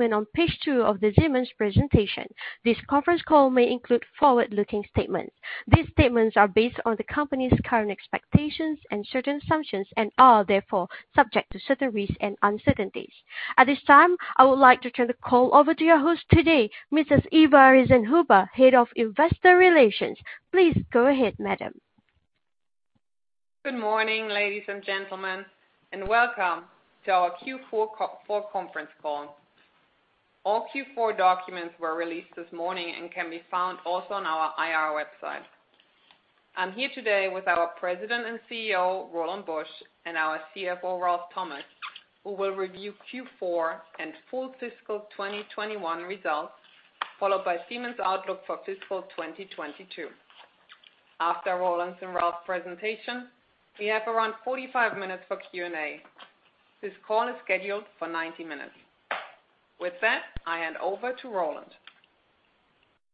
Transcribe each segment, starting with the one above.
When on page two of the Siemens presentation, this conference call may include forward-looking statements. These statements are based on the company's current expectations and certain assumptions, and are therefore subject to certain risks and uncertainties. At this time, I would like to turn the call over to your host today, Mrs. Eva Riesenhuber, Head of Investor Relations. Please go ahead, madam. Good morning, ladies and gentlemen, and welcome to our Q4 Conference Call. All Q4 documents were released this morning and can be found also on our IR website. I'm here today with our President and CEO, Roland Busch, and our CFO, Ralf Thomas, who will review Q4 and full fiscal 2021 results, followed by Siemens outlook for fiscal 2022. After Roland's and Ralf's presentation, we have around 45 minutes for Q&A. This call is scheduled for 90 minutes. With that, I hand over to Roland.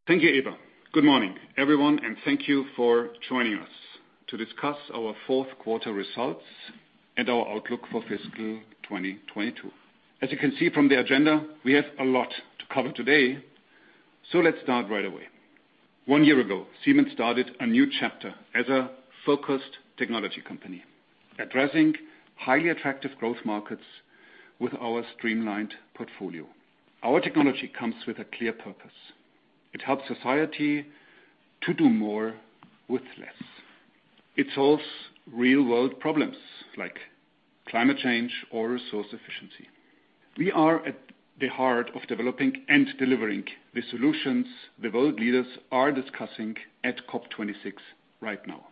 Thank you, Eva. Good morning, everyone, and thank you for joining us to discuss our fourth quarter results and our outlook for fiscal 2022. As you can see from the agenda, we have a lot to cover today, so let's start right away. One year ago, Siemens started a new chapter as a focused technology company, addressing highly attractive growth markets with our streamlined portfolio. Our technology comes with a clear purpose. It helps society to do more with less. It solves real-world problems like climate change or resource efficiency. We are at the heart of developing and delivering the solutions the world leaders are discussing at COP 26 right now.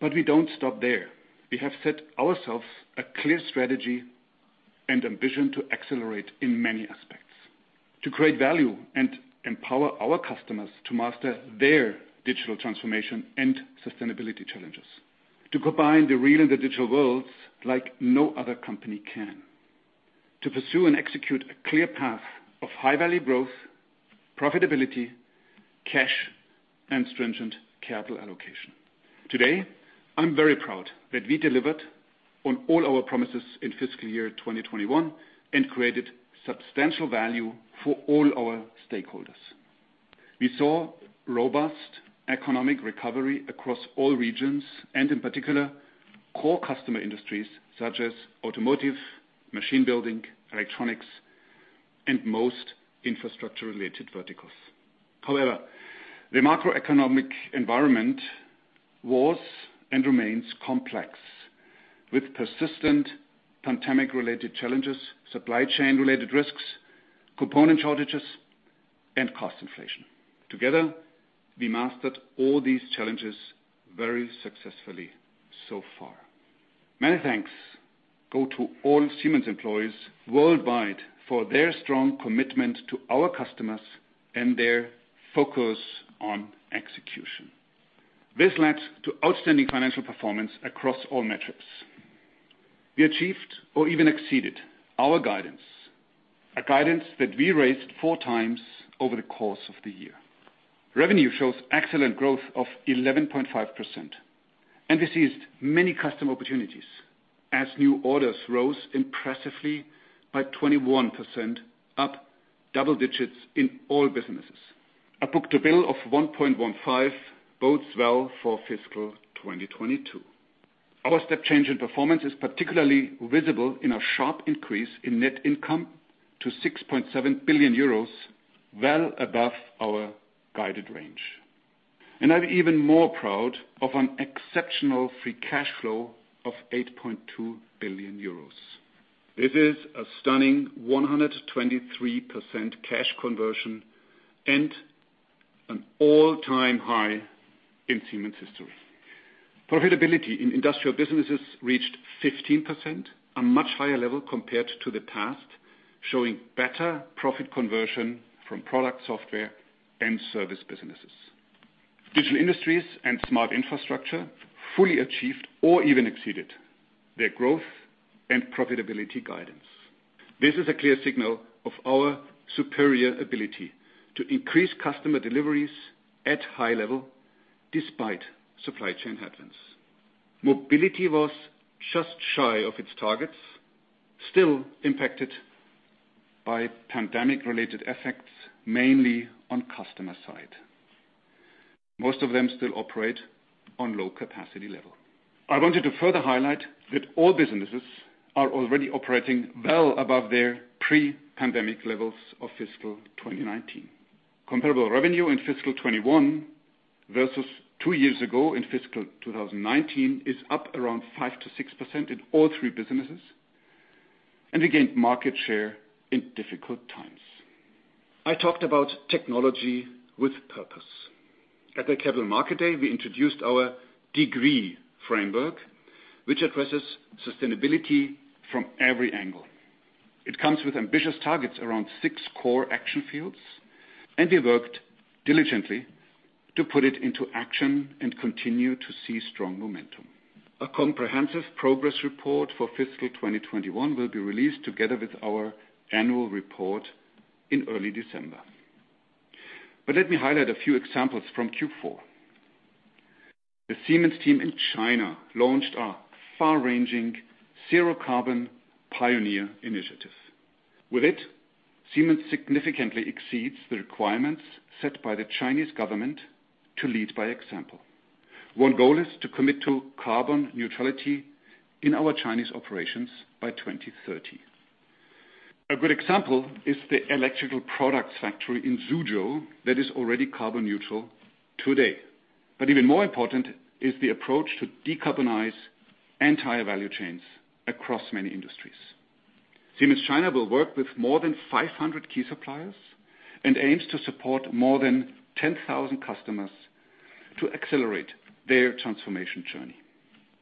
We don't stop there. We have set ourselves a clear strategy and ambition to accelerate in many aspects, to create value and empower our customers to master their digital transformation and sustainability challenges, to combine the real and the digital worlds like no other company can, to pursue and execute a clear path of high-value growth, profitability, cash, and stringent capital allocation. Today, I'm very proud that we delivered on all our promises in fiscal year 2021 and created substantial value for all our stakeholders. We saw robust economic recovery across all regions, and in particular, core customer industries such as automotive, machine building, electronics, and most infrastructure-related verticals. However, the macroeconomic environment was and remains complex, with persistent pandemic-related challenges, supply chain-related risks, component shortages, and cost inflation. Together, we mastered all these challenges very successfully so far. Many thanks go to all Siemens employees worldwide for their strong commitment to our customers and their focus on execution. This led to outstanding financial performance across all metrics. We achieved or even exceeded our guidance, a guidance that we raised four times over the course of the year. Revenue shows excellent growth of 11.5%, and this is many customer opportunities as new orders rose impressively by 21%, up double digits in all businesses. A book-to-bill of 1.15 bodes well for fiscal 2022. Our step change in performance is particularly visible in a sharp increase in net income to 6.7 billion euros, well above our guided range. I'm even more proud of an exceptional free cash flow of 8.2 billion euros. This is a stunning 123% cash conversion and an all-time high in Siemens history. Profitability in industrial businesses reached 15%, a much higher level compared to the past, showing better profit conversion from product, software, and service businesses. Digital Industries and Smart Infrastructure fully achieved or even exceeded their growth and profitability guidance. This is a clear signal of our superior ability to increase customer deliveries at high level despite supply chain headwinds. Mobility was just shy of its targets, still impacted by pandemic-related effects, mainly on customer side. Most of them still operate on low-capacity level. I wanted to further highlight that all businesses are already operating well above their pre-pandemic levels of fiscal 2019. Comparable revenue in fiscal 2021 versus two years ago in fiscal 2019 is up around 5%-6% in all three businesses, and we gained market share in difficult times. I talked about technology with purpose. At the Capital Market Day, we introduced our DEGREE framework, which addresses sustainability from every angle. It comes with ambitious targets around six core action fields, and we worked diligently to put it into action and continue to see strong momentum. A comprehensive progress report for fiscal 2021 will be released together with our annual report in early December. Let me highlight a few examples from Q4. The Siemens team in China launched a far-ranging zero carbon pioneer initiative. With it, Siemens significantly exceeds the requirements set by the Chinese government to lead by example. One goal is to commit to carbon neutrality in our Chinese operations by 2030. A good example is the electrical products factory in Suzhou that is already carbon neutral today. But even more important is the approach to decarbonize entire value chains across many industries. Siemens China will work with more than 500 key suppliers and aims to support more than 10,000 customers to accelerate their transformation journey.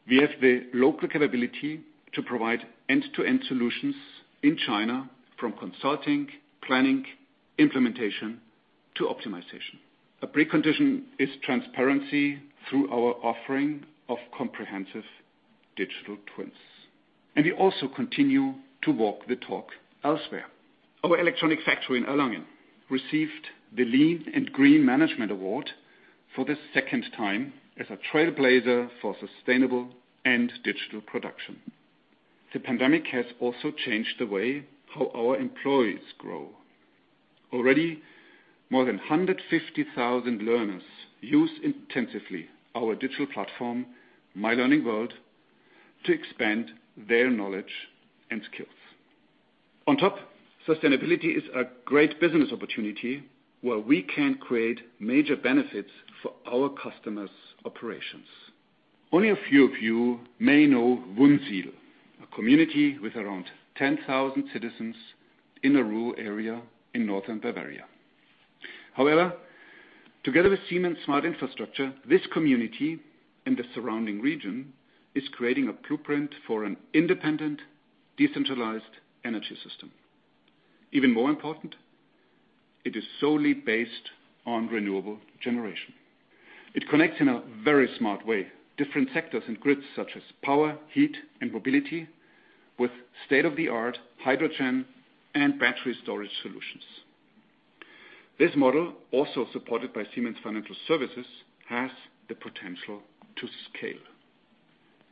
We have the local capability to provide end-to-end solutions in China from consulting, planning, implementation to optimization. A precondition is transparency through our offering of comprehensive digital twins. We also continue to walk the talk elsewhere. Our electronic factory in Erlangen received the Lean & Green Management Award for the second time as a trailblazer for sustainable and digital production. The pandemic has also changed the way how our employees grow. Already, more than 150,000 learners use intensively our digital platform, My Learning World, to expand their knowledge and skills. On top, sustainability is a great business opportunity where we can create major benefits for our customers' operations. Only a few of you may know Wunsiedel, a community with around 10,000 citizens in a rural area in northern Bavaria. However, together with Siemens Smart Infrastructure, this community and the surrounding region is creating a blueprint for an independent, decentralized energy system. Even more important, it is solely based on renewable generation. It connects in a very smart way different sectors and grids such as power, heat, and mobility with state-of-the-art hydrogen and battery storage solutions. This model, also supported by Siemens Financial Services, has the potential to scale.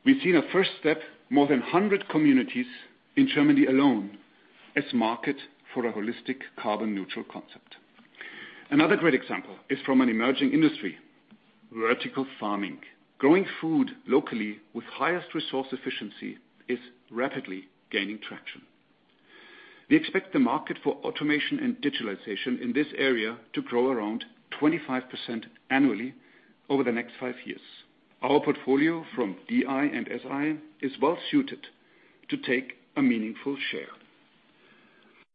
We've seen a first step, more than 100 communities in Germany alone as a market for a holistic carbon-neutral concept. Another great example is from an emerging industry, vertical farming. Growing food locally with highest resource efficiency is rapidly gaining traction. We expect the market for automation and digitalization in this area to grow around 25% annually over the next 5 years. Our portfolio from DI and SI is well suited to take a meaningful share.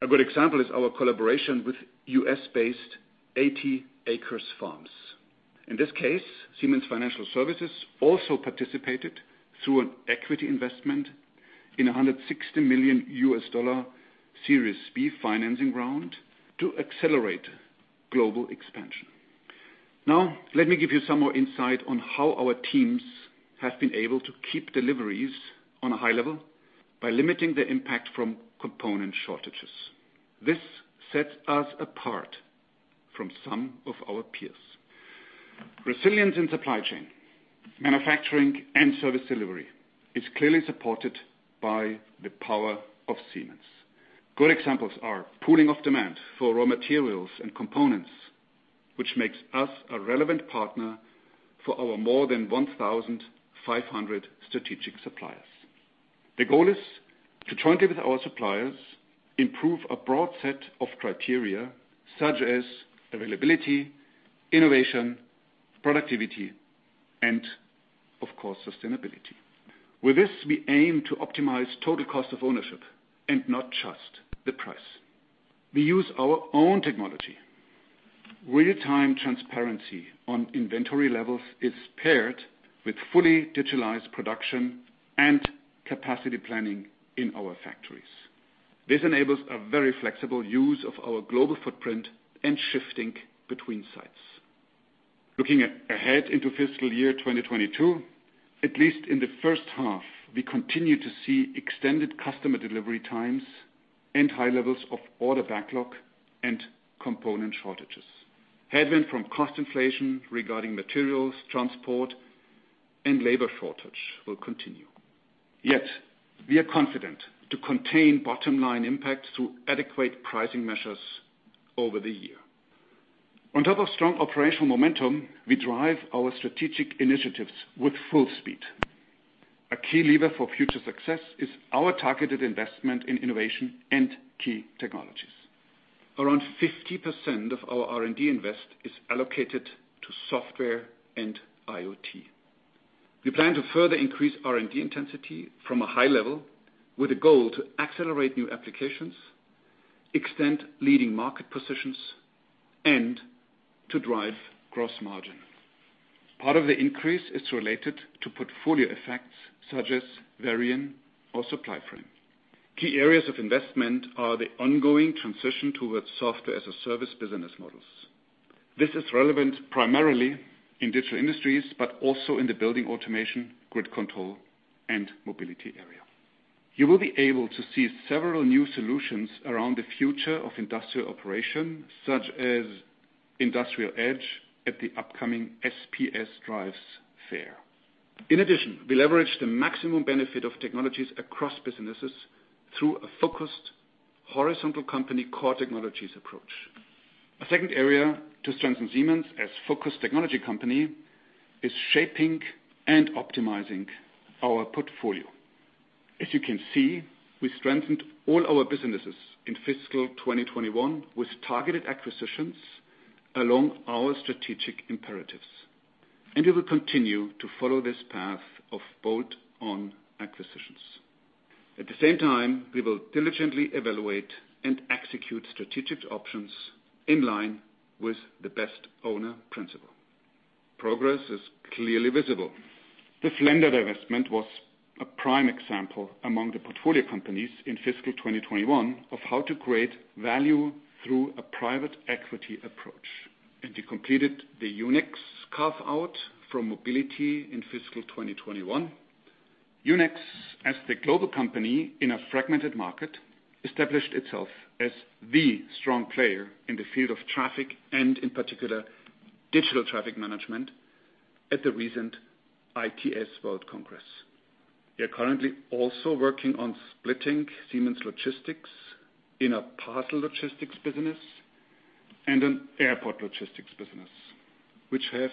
A good example is our collaboration with U.S.-based 80 Acres Farms. In this case, Siemens Financial Services also participated through an equity investment in a $160 million Series B financing round to accelerate global expansion. Now, let me give you some more insight on how our teams have been able to keep deliveries on a high level by limiting the impact from component shortages. This sets us apart from some of our peers. Resilience in supply chain, manufacturing, and service delivery is clearly supported by the power of Siemens. Good examples are pooling of demand for raw materials and components, which makes us a relevant partner for our more than 1,500 strategic suppliers. The goal is to jointly with our suppliers, improve a broad set of criteria such as availability, innovation, productivity, and of course, sustainability. With this, we aim to optimize total cost of ownership and not just the price. We use our own technology. Real-time transparency on inventory levels is paired with fully digitalized production and capacity planning in our factories. This enables a very flexible use of our global footprint and shifting between sites. Looking ahead into fiscal year 2022, at least in the first half, we continue to see extended customer delivery times and high levels of order backlog and component shortages. Headwind from cost inflation regarding materials, transport, and labor shortage will continue. Yet, we are confident to contain bottom-line impact through adequate pricing measures over the year. On top of strong operational momentum, we drive our strategic initiatives with full speed. A key lever for future success is our targeted investment in innovation and key technologies. Around 50% of our R&D investment is allocated to software and IoT. We plan to further increase R&D intensity from a high level with a goal to accelerate new applications, extend leading market positions, and to drive gross margin. Part of the increase is related to portfolio effects such as Varian or Supplyframe. Key areas of investment are the ongoing transition towards software-as-a-service business models. This is relevant primarily in Digital Industries, but also in the building automation, grid control, and Mobility area. You will be able to see several new solutions around the future of industrial operation, such as Industrial Edge, at the upcoming SPS Drives fair. In addition, we leverage the maximum benefit of technologies across businesses through a focused horizontal company core technologies approach. A second area to strengthen Siemens as focused technology company is shaping and optimizing our portfolio. As you can see, we strengthened all our businesses in fiscal 2021 with targeted acquisitions along our strategic imperatives, and we will continue to follow this path of bolt-on acquisitions. At the same time, we will diligently evaluate and execute strategic options in line with the best owner principle. Progress is clearly visible. The Flender investment was a prime example among the portfolio companies in fiscal 2021 of how to create value through a private equity approach. We completed the Yunex carve-out from Mobility in fiscal 2021. Yunex, as the global company in a fragmented market, established itself as the strong player in the field of traffic and, in particular, digital traffic management at the recent ITS World Congress. We are currently also working on splitting Siemens Logistics in a parcel logistics business and an airport logistics business, which have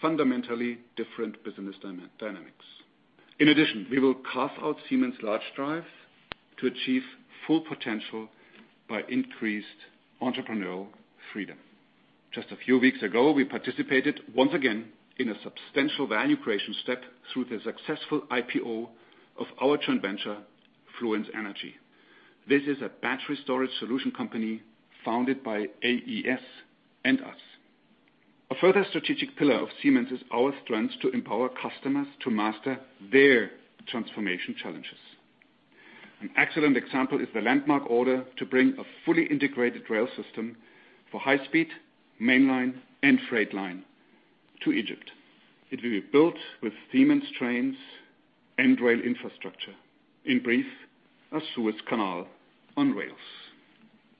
fundamentally different business dynamics. In addition, we will carve out Siemens Large Drives to achieve full potential by increased entrepreneurial freedom. Just a few weeks ago, we participated, once again, in a substantial value creation step through the successful IPO of our joint venture, Fluence Energy. This is a battery storage solution company founded by AES and us. A further strategic pillar of Siemens is our strength to empower customers to master their transformation challenges. An excellent example is the landmark order to bring a fully integrated rail system for high speed, main line, and freight line to Egypt. It will be built with Siemens trains and rail infrastructure. In brief, a Suez Canal on rails.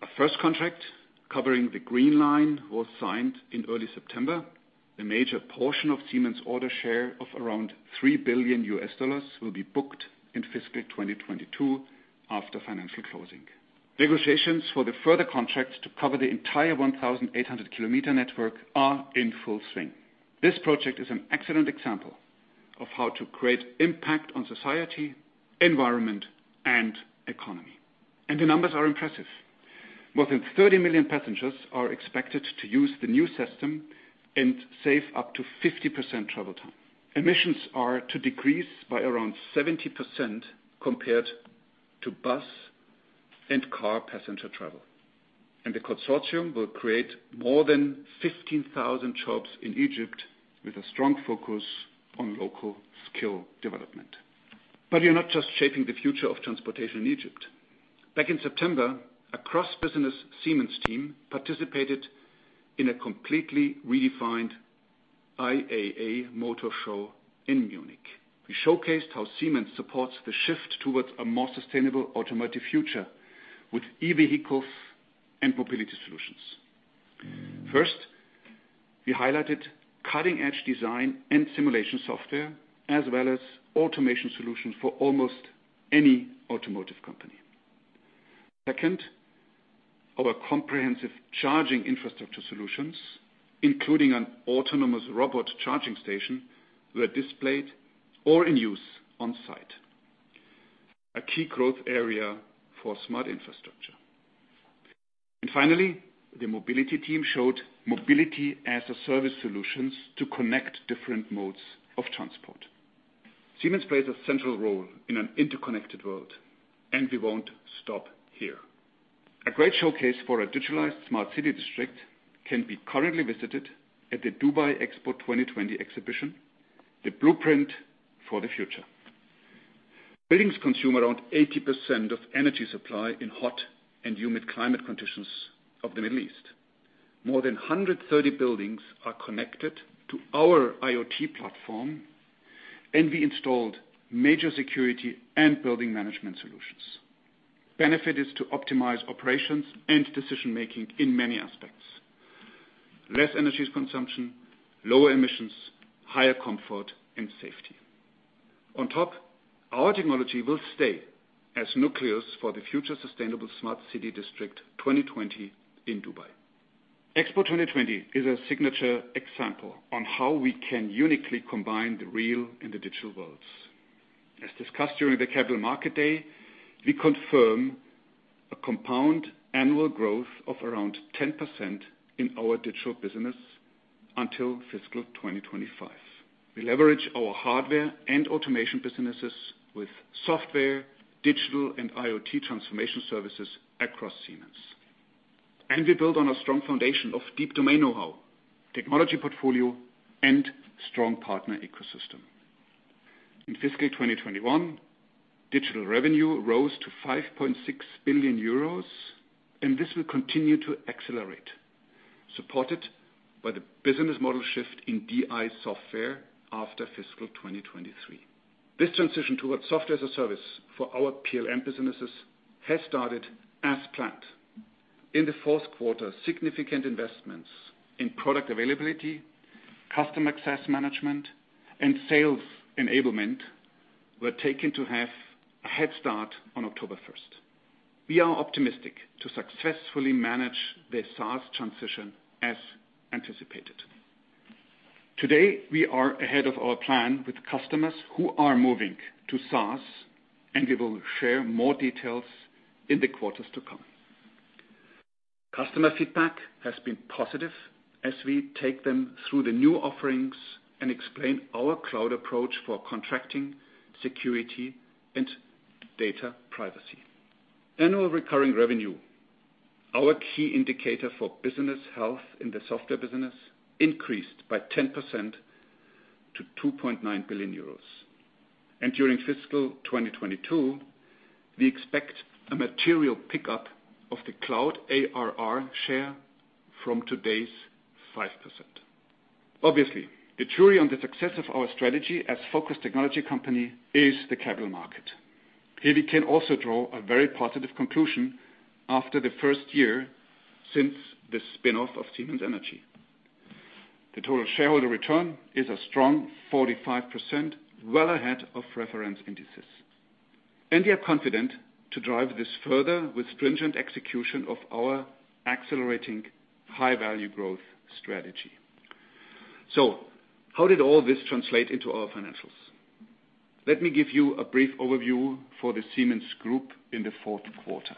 A first contract covering the green line was signed in early September. A major portion of Siemens' order share of around $3 billion will be booked in fiscal 2022 after financial closing. Negotiations for the further contracts to cover the entire 1,800 km network are in full swing. This project is an excellent example of how to create impact on society, environment, and economy. The numbers are impressive. More than 30 million passengers are expected to use the new system and save up to 50% travel time. Emissions are to decrease by around 70% compared to bus and car passenger travel. The consortium will create more than 15,000 jobs in Egypt with a strong focus on local skill development. We're not just shaping the future of transportation in Egypt. Back in September, a cross-business Siemens team participated in a completely redefined IAA Mobility in Munich. We showcased how Siemens supports the shift towards a more sustainable automotive future with e-vehicles and mobility solutions. First, we highlighted cutting-edge design and simulation software, as well as automation solutions for almost any automotive company. Second, our comprehensive charging infrastructure solutions, including an autonomous robot charging station, were displayed or in use on-site, a key growth area for Smart Infrastructure. Finally, the mobility team showed mobility-as-a-service solutions to connect different modes of transport. Siemens plays a central role in an interconnected world, and we won't stop here. A great showcase for a digitalized smart city district can be currently visited at the Expo 2020 Dubai exhibition, the blueprint for the future. Buildings consume around 80% of energy supply in hot and humid climate conditions of the Middle East. More than 130 buildings are connected to our IoT platform, and we installed major security and building management solutions. Benefit is to optimize operations and decision-making in many aspects. Less energy consumption, lower emissions, higher comfort and safety. On top, our technology will stay as nucleus for the future sustainable smart city district 2020 in Dubai. Expo 2020 is a signature example on how we can uniquely combine the real and the digital worlds. As discussed during the Capital Market Day, we confirm a compound annual growth of around 10% in our digital business until fiscal 2025. We leverage our hardware and automation businesses with software, digital, and IoT transformation services across Siemens. We build on a strong foundation of deep domain know-how, technology portfolio, and strong partner ecosystem. In fiscal 2021, digital revenue rose to 5.6 billion euros, and this will continue to accelerate. Supported by the business model shift in DI software after fiscal 2023. This transition towards software as a service for our PLM businesses has started as planned. In the fourth quarter, significant investments in product availability, customer access management, and sales enablement were taken to have a head start on October first. We are optimistic to successfully manage the SaaS transition as anticipated. Today, we are ahead of our plan with customers who are moving to SaaS, and we will share more details in the quarters to come. Customer feedback has been positive as we take them through the new offerings and explain our cloud approach for contracting, security, and data privacy. Annual recurring revenue, our key indicator for business health in the software business, increased by 10% to 2.9 billion euros. During fiscal 2022, we expect a material pickup of the cloud ARR share from today's 5%. Obviously, the jury on the success of our strategy as focused technology company is the capital market. Here we can also draw a very positive conclusion after the first year since the spin-off of Siemens Energy. The total shareholder return is a strong 45%, well ahead of reference indices. We are confident to drive this further with stringent execution of our accelerating high-value growth strategy. How did all this translate into our financials? Let me give you a brief overview for the Siemens Group in the fourth quarter.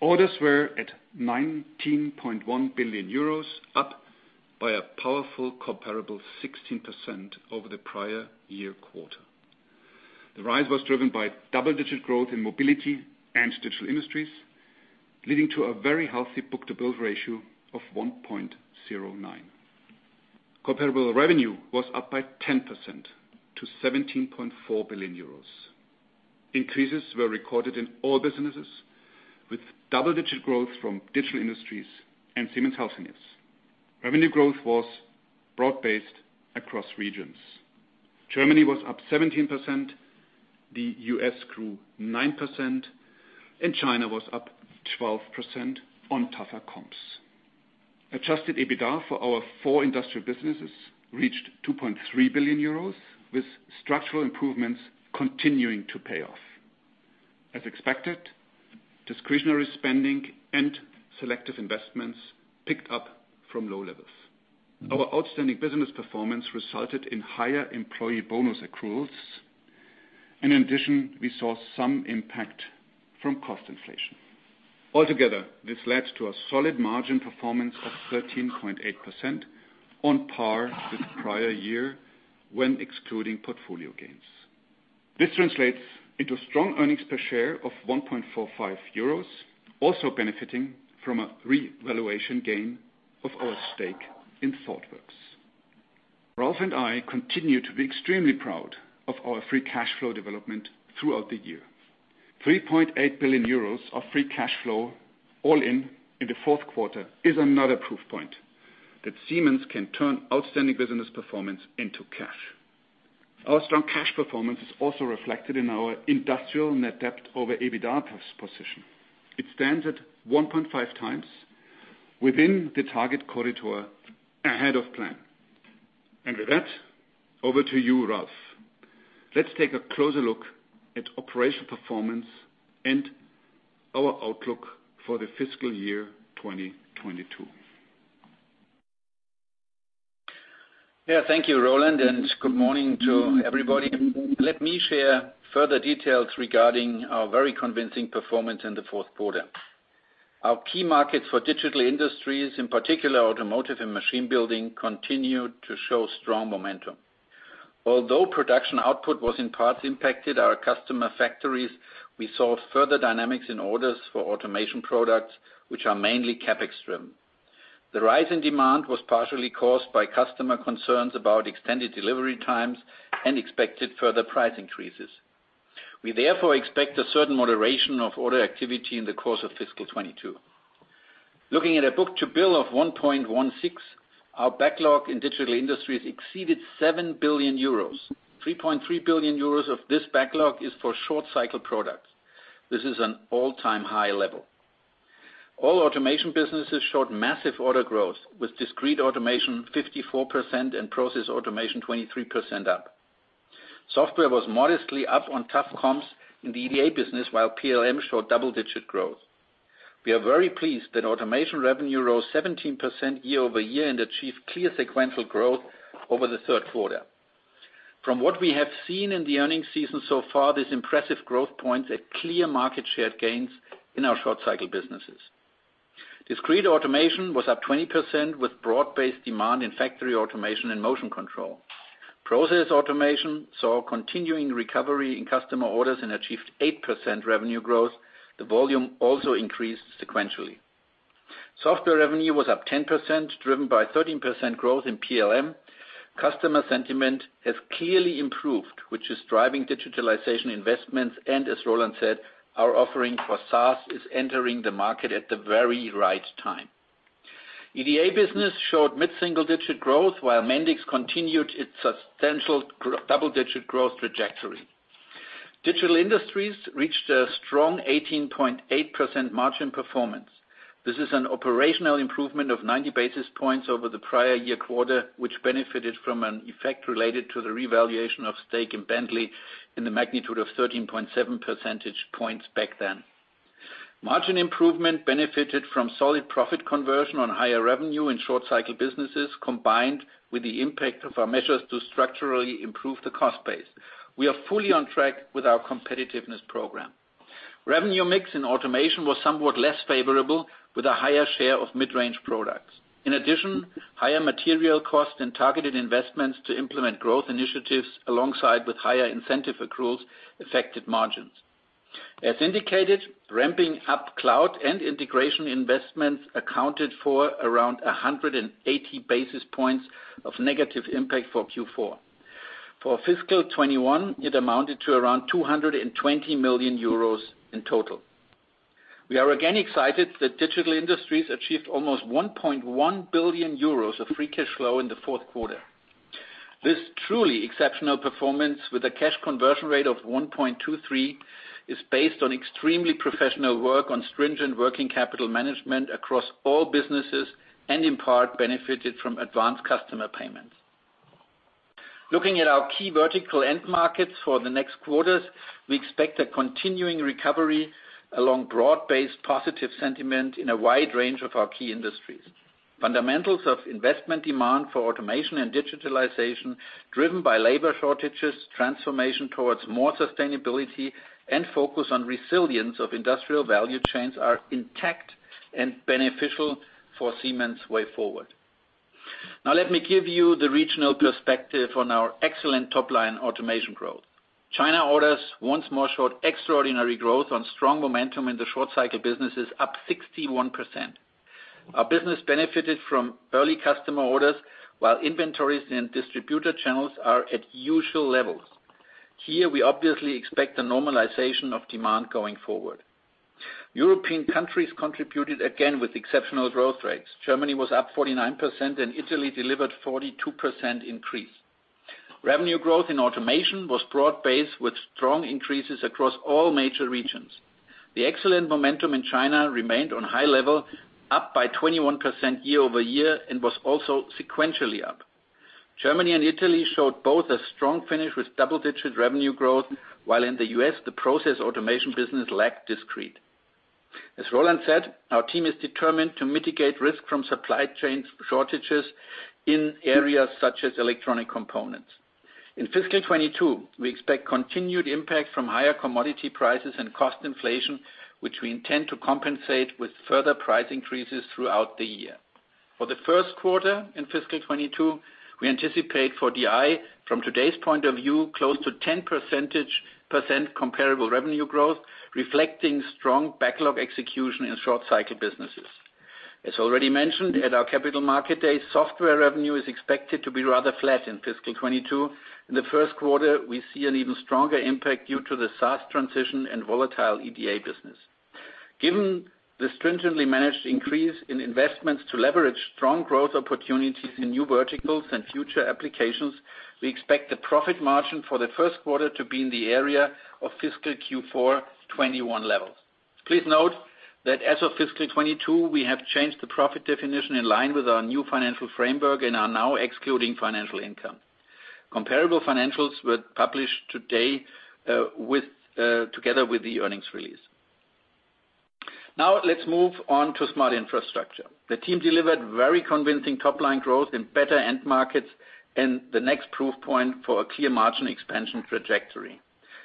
Orders were at 19.1 billion euros, up by a powerful comparable 16% over the prior year quarter. The rise was driven by double-digit growth in Mobility and Digital Industries, leading to a very healthy book-to-bill ratio of 1.09. Comparable revenue was up by 10% to 17.4 billion euros. Increases were recorded in all businesses, with double-digit growth from Digital Industries and Siemens Healthineers. Revenue growth was broad-based across regions. Germany was up 17%, the U.S. grew 9%, and China was up 12% on tougher comps. Adjusted EBITDA for our four industrial businesses reached 2.3 billion euros, with structural improvements continuing to pay off. As expected, discretionary spending and selective investments picked up from low levels. Our outstanding business performance resulted in higher employee bonus accruals. In addition, we saw some impact from cost inflation. Altogether, this led to a solid margin performance of 13.8% on par with prior year when excluding portfolio gains. This translates into strong earnings per share of 1.45 euros, also benefiting from a revaluation gain of our stake in Thoughtworks. Ralf and I continue to be extremely proud of our free cash flow development throughout the year. 3.8 billion euros of free cash flow all in the fourth quarter is another proof point that Siemens can turn outstanding business performance into cash. Our strong cash performance is also reflected in our industrial net debt over EBITDA position. It stands at 1.5 times within the target corridor ahead of plan. With that, over to you, Ralf. Let's take a closer look at operational performance and our outlook for the fiscal year 2022. Yeah, thank you, Roland, and good morning to everybody. Let me share further details regarding our very convincing performance in the fourth quarter. Our key markets for Digital Industries, in particular automotive and machine building, continued to show strong momentum. Although production output was in parts impacted our customer factories, we saw further dynamics in orders for automation products, which are mainly CapEx stream. The rise in demand was partially caused by customer concerns about extended delivery times and expected further price increases. We therefore expect a certain moderation of order activity in the course of fiscal 2022. Looking at a book-to-bill of 1.16, our backlog in Digital Industries exceeded 7 billion euros. 3.3 billion euros of this backlog is for short-cycle products. This is an all-time high level. All automation businesses showed massive order growth, with discrete automation 54% and process automation 23% up. Software was modestly up on tough comps in the EDA business, while PLM showed double-digit growth. We are very pleased that automation revenue rose 17% year-over-year and achieved clear sequential growth over the third quarter. From what we have seen in the earnings season so far, this impressive growth points to clear market share gains in our short-cycle businesses. Discrete automation was up 20% with broad-based demand in factory automation and motion control. Process automation saw continuing recovery in customer orders and achieved 8% revenue growth. The volume also increased sequentially. Software revenue was up 10%, driven by 13% growth in PLM. Customer sentiment has clearly improved, which is driving digitalization investments, and as Roland said, our offering for SaaS is entering the market at the very right time. EDA business showed mid-single digit growth, while Mendix continued its substantial double-digit growth trajectory. Digital Industries reached a strong 18.8% margin performance. This is an operational improvement of 90 basis points over the prior year quarter, which benefited from an effect related to the revaluation of stake in Bentley in the magnitude of 13.7 percentage points back then. Margin improvement benefited from solid profit conversion on higher revenue and short cycle businesses, combined with the impact of our measures to structurally improve the cost base. We are fully on track with our competitiveness program. Revenue mix in automation was somewhat less favorable, with a higher share of mid-range products. In addition, higher material costs and targeted investments to implement growth initiatives alongside with higher incentive accruals affected margins. As indicated, ramping up cloud and integration investments accounted for around 180 basis points of negative impact for Q4. For fiscal 2021, it amounted to around 220 million euros in total. We are again excited that Digital Industries achieved almost 1.1 billion euros of free cash flow in the fourth quarter. This truly exceptional performance, with a cash conversion rate of 1.23, is based on extremely professional work on stringent working capital management across all businesses, and in part benefited from advanced customer payments. Looking at our key vertical end markets for the next quarters, we expect a continuing recovery along broad-based positive sentiment in a wide range of our key industries. Fundamentals of investment demand for automation and digitalization, driven by labor shortages, transformation towards more sustainability, and focus on resilience of industrial value chains are intact and beneficial for Siemens way forward. Now let me give you the regional perspective on our excellent top-line automation growth. China orders once more showed extraordinary growth on strong momentum in the short cycle businesses up 61%. Our business benefited from early customer orders, while inventories and distributor channels are at usual levels. Here, we obviously expect a normalization of demand going forward. European countries contributed again with exceptional growth rates. Germany was up 49%, and Italy delivered 42% increase. Revenue growth in automation was broad-based with strong increases across all major regions. The excellent momentum in China remained on high level, up by 21% year-over-year and was also sequentially up. Germany and Italy showed both a strong finish with double-digit revenue growth, while in the U.S., the process automation business lagged discrete. As Roland said, our team is determined to mitigate risk from supply chain shortages in areas such as electronic components. In fiscal 2022, we expect continued impact from higher commodity prices and cost inflation, which we intend to compensate with further price increases throughout the year. For the first quarter in fiscal 2022, we anticipate for DI, from today's point of view, close to 10% comparable revenue growth, reflecting strong backlog execution in short-cycle businesses. As already mentioned at our Capital Market Day, software revenue is expected to be rather flat in fiscal 2022. In the first quarter, we see an even stronger impact due to the SaaS transition and volatile EDA business. Given the stringently managed increase in investments to leverage strong growth opportunities in new verticals and future applications, we expect the profit margin for the first quarter to be in the area of fiscal Q4 2021 levels. Please note that as of fiscal 2022, we have changed the profit definition in line with our new financial framework and are now excluding financial income. Comparable financials were published today, together with the earnings release. Now let's move on to Smart Infrastructure. The team delivered very convincing top-line growth in better end markets and the next proof point for a clear margin expansion trajectory.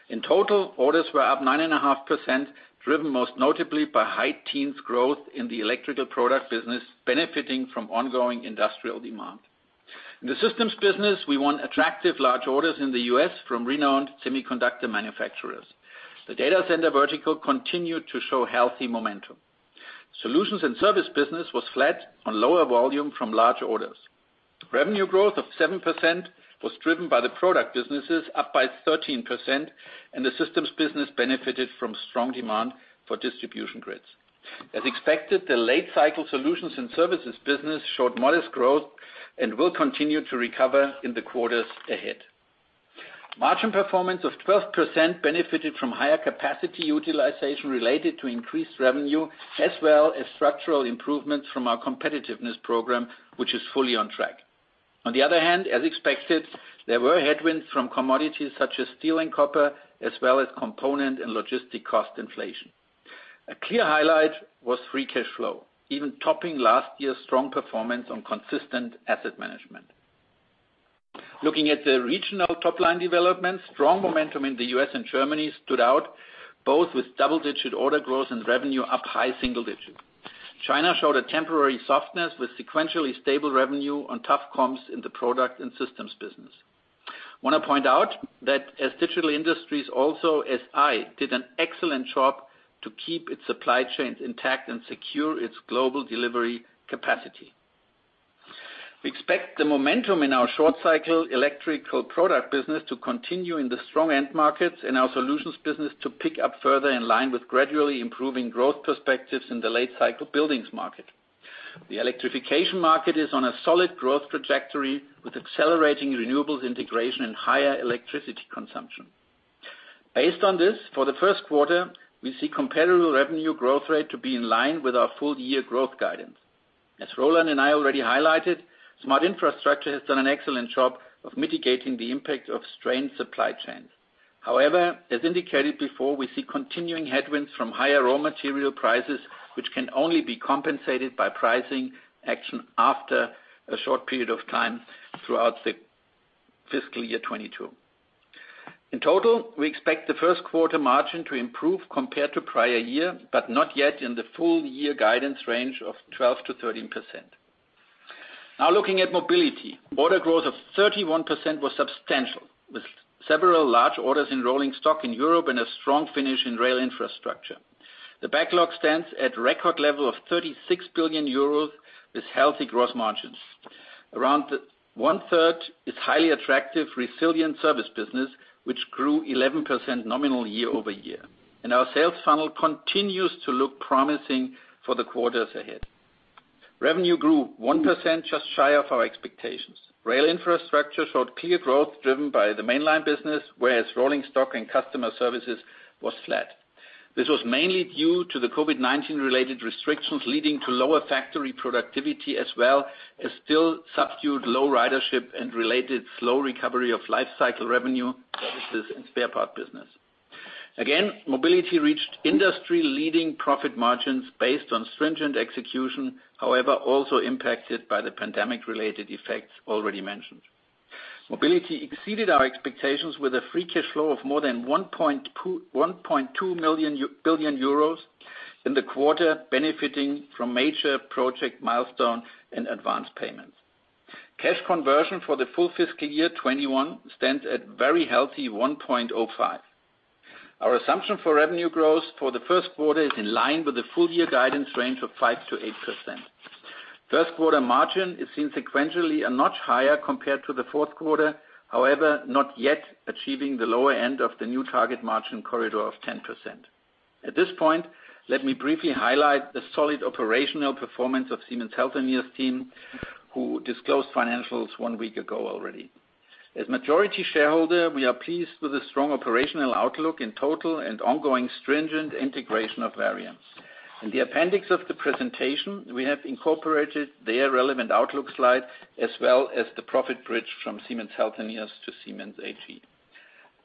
In total, orders were up 9.5%, driven most notably by high-teens growth in the electrical product business, benefiting from ongoing industrial demand. In the systems business, we won attractive large orders in the U.S. from renowned semiconductor manufacturers. The data center vertical continued to show healthy momentum. Solutions and service business was flat on lower volume from large orders. Revenue growth of 7% was driven by the product businesses up by 13%, and the systems business benefited from strong demand for distribution grids. As expected, the late-cycle solutions and services business showed modest growth and will continue to recover in the quarters ahead. Margin performance of 12% benefited from higher capacity utilization related to increased revenue, as well as structural improvements from our competitiveness program, which is fully on track. On the other hand, as expected, there were headwinds from commodities such as steel and copper, as well as component and logistics cost inflation. A clear highlight was free cash flow, even topping last year's strong performance on consistent asset management. Looking at the regional top-line development, strong momentum in the U.S. and Germany stood out, both with double-digit order growth and revenue up high single digits. China showed a temporary softness with sequentially stable revenue on tough comps in the product and systems business. I want to point out that as Digital Industries and SI did an excellent job to keep its supply chains intact and secure its global delivery capacity. We expect the momentum in our short cycle electrical product business to continue in the strong end markets and our solutions business to pick up further in line with gradually improving growth perspectives in the late cycle buildings market. The electrification market is on a solid growth trajectory with accelerating renewables integration and higher electricity consumption. Based on this, for the first quarter, we see comparable revenue growth rate to be in line with our full year growth guidance. As Roland and I already highlighted, Smart Infrastructure has done an excellent job of mitigating the impact of strained supply chains. However, as indicated before, we see continuing headwinds from higher raw material prices, which can only be compensated by pricing action after a short period of time throughout the fiscal year 2022. In total, we expect the first quarter margin to improve compared to prior year, but not yet in the full year guidance range of 12%-13%. Now looking at Mobility. Order growth of 31% was substantial, with several large orders in rolling stock in Europe and a strong finish in rail infrastructure. The backlog stands at record level of 36 billion euros with healthy gross margins. Around one third is highly attractive resilient service business, which grew 11% nominal year-over-year. Our sales funnel continues to look promising for the quarters ahead. Revenue grew 1%, just shy of our expectations. Rail infrastructure showed clear growth driven by the mainline business, whereas rolling stock and customer services was flat. This was mainly due to the COVID-19 related restrictions, leading to lower factory productivity as well as still subdued low ridership and related slow recovery of life cycle revenue services and spare part business. Again, Mobility reached industry-leading profit margins based on stringent execution, however, also impacted by the pandemic-related effects already mentioned. Mobility exceeded our expectations with a free cash flow of more than 1.2 billion euros in the quarter, benefiting from major project milestone and advance payments. Cash conversion for the full fiscal year 2021 stands at very healthy 1.05. Our assumption for revenue growth for the first quarter is in line with the full year guidance range of 5%-8%. First quarter margin is sequentially a notch higher compared to the fourth quarter, however, not yet achieving the lower end of the new target margin corridor of 10%. At this point, let me briefly highlight the solid operational performance of Siemens Healthineers team, who disclosed financials one week ago already. As majority shareholder, we are pleased with the strong operational outlook in total and ongoing stringent integration of Varian. In the appendix of the presentation, we have incorporated their relevant outlook slide, as well as the profit bridge from Siemens Healthineers to Siemens AG.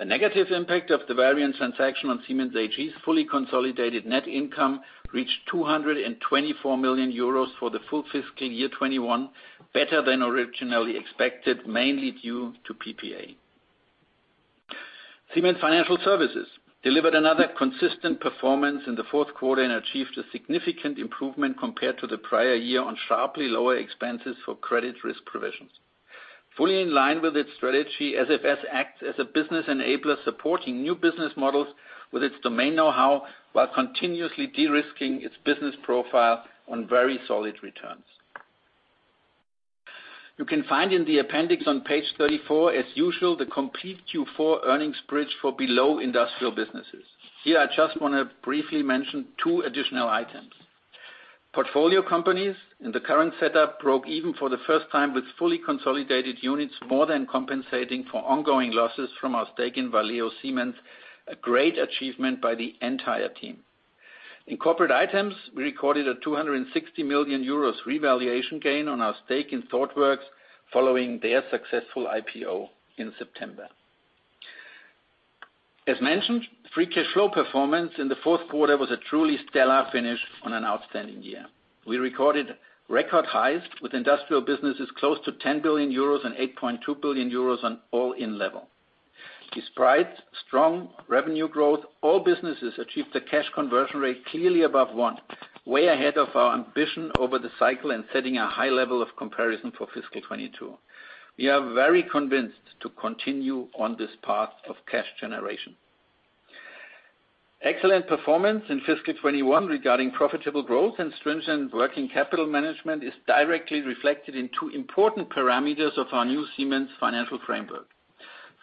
A negative impact of the Varian transaction on Siemens AG's fully consolidated net income reached 224 million euros for the full fiscal year 2021, better than originally expected, mainly due to PPA. Siemens Financial Services delivered another consistent performance in the fourth quarter and achieved a significant improvement compared to the prior year on sharply lower expenses for credit risk provisions. Fully in line with its strategy, SFS acts as a business enabler, supporting new business models with its domain know-how, while continuously de-risking its business profile on very solid returns. You can find in the appendix on page 34, as usual, the complete Q4 earnings bridge for below industrial businesses. Here, I just want to briefly mention 2 additional items. Portfolio companies in the current setup broke even for the first time with fully consolidated units, more than compensating for ongoing losses from our stake in Valeo Siemens, a great achievement by the entire team. In corporate items, we recorded a 260 million euros revaluation gain on our stake in Thoughtworks following their successful IPO in September. As mentioned, free cash flow performance in the fourth quarter was a truly stellar finish on an outstanding year. We recorded record highs with industrial businesses close to 10 billion euros and 8.2 billion euros on all-in level. Despite strong revenue growth, all businesses achieved a cash conversion rate clearly above one, way ahead of our ambition over the cycle and setting a high level of comparison for fiscal 2022. We are very convinced to continue on this path of cash generation. Excellent performance in fiscal 2021 regarding profitable growth and stringent working capital management is directly reflected in two important parameters of our new Siemens financial framework.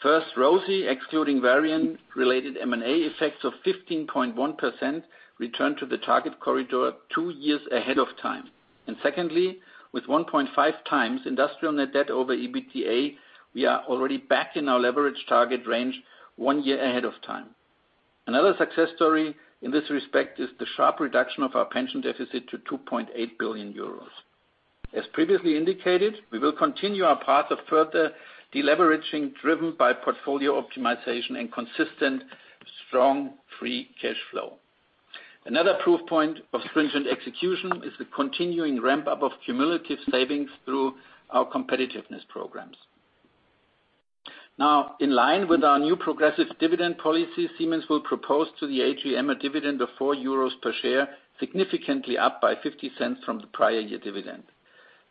First, ROSI, excluding Varian related M&A effects of 15.1%, returned to the target corridor 2 years ahead of time. Secondly, with 1.5 times industrial net debt over EBITDA, we are already back in our leverage target range 1 year ahead of time. Another success story in this respect is the sharp reduction of our pension deficit to 2.8 billion euros. As previously indicated, we will continue our path of further deleveraging driven by portfolio optimization and consistent, strong free cash flow. Another proof point of stringent execution is the continuing ramp-up of cumulative savings through our competitiveness programs. Now, in line with our new progressive dividend policy, Siemens will propose to the AGM a dividend of 4 euros per share, significantly up by 0.50 from the prior year dividend.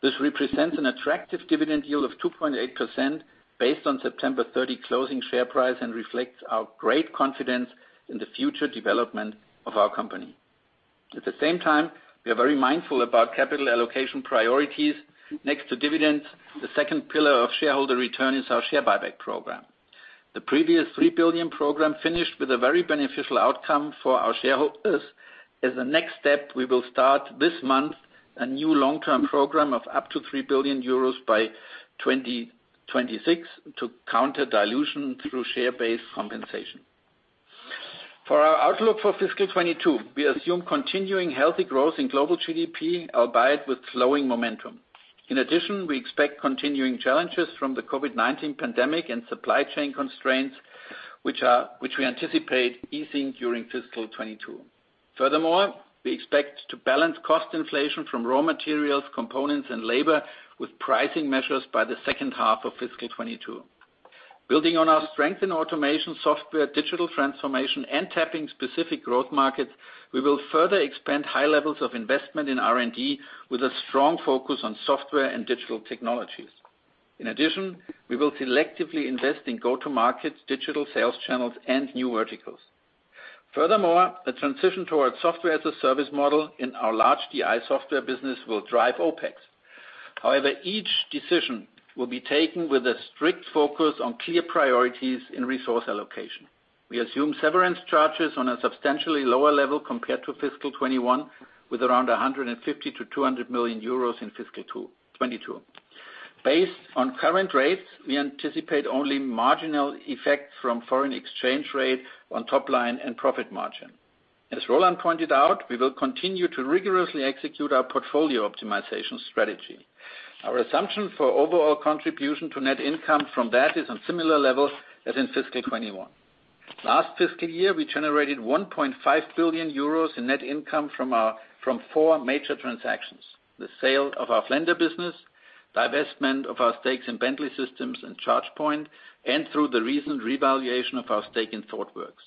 This represents an attractive dividend yield of 2.8% based on September 30 closing share price, and reflects our great confidence in the future development of our company. At the same time, we are very mindful about capital allocation priorities. Next to dividends, the second pillar of shareholder return is our share buyback program. The previous 3 billion program finished with a very beneficial outcome for our shareholders. As a next step, we will start this month a new long-term program of up to 3 billion euros by 2026 to counter dilution through share-based compensation. For our outlook for fiscal 2022, we assume continuing healthy growth in global GDP, albeit with slowing momentum. In addition, we expect continuing challenges from the COVID-19 pandemic and supply chain constraints, which we anticipate easing during fiscal 2022. Furthermore, we expect to balance cost inflation from raw materials, components, and labor with pricing measures by the second half of fiscal 2022. Building on our strength in automation software, digital transformation, and tapping specific growth markets, we will further expand high levels of investment in R&D with a strong focus on software and digital technologies. In addition, we will selectively invest in go-to-market digital sales channels and new verticals. Furthermore, the transition towards software-as-a-service model in our large DI software business will drive OpEx. However, each decision will be taken with a strict focus on clear priorities in resource allocation. We assume severance charges on a substantially lower level compared to fiscal 2021, with around 150 million-200 million euros in fiscal 2022. Based on current rates, we anticipate only marginal effect from foreign exchange rate on top line and profit margin. As Roland pointed out, we will continue to rigorously execute our portfolio optimization strategy. Our assumption for overall contribution to net income from that is on similar levels as in fiscal 2021. Last fiscal year, we generated 1.5 billion euros in net income from four major transactions, the sale of our Flender business, divestment of our stakes in Bentley Systems and ChargePoint, and through the recent revaluation of our stake in ThoughtWorks.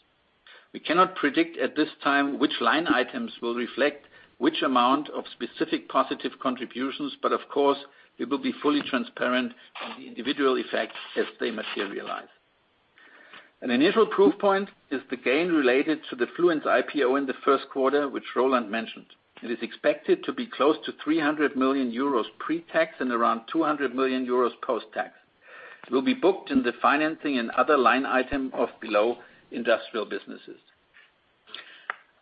We cannot predict at this time which line items will reflect which amount of specific positive contributions, but of course, we will be fully transparent on the individual effects as they materialize. An initial proof point is the gain related to the Fluence IPO in the first quarter, which Roland mentioned. It is expected to be close to 300 million euros pre-tax and around 200 million euros post-tax. It will be booked in the financing and other line item of below industrial businesses.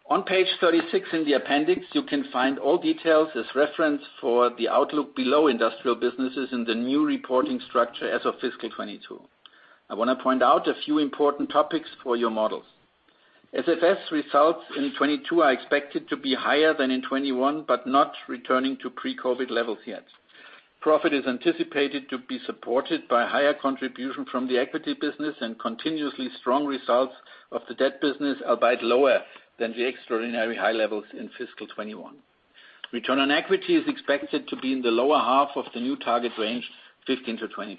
On page 36 in the appendix, you can find all details as reference for the outlook below industrial businesses in the new reporting structure as of fiscal 2022. I wanna point out a few important topics for your models. SFS results in 2022 are expected to be higher than in 2021, but not returning to pre-COVID levels yet. Profit is anticipated to be supported by higher contribution from the equity business and continuously strong results of the debt business, albeit lower than the extraordinary high levels in fiscal 2021. Return on equity is expected to be in the lower half of the new target range, 15%-20%.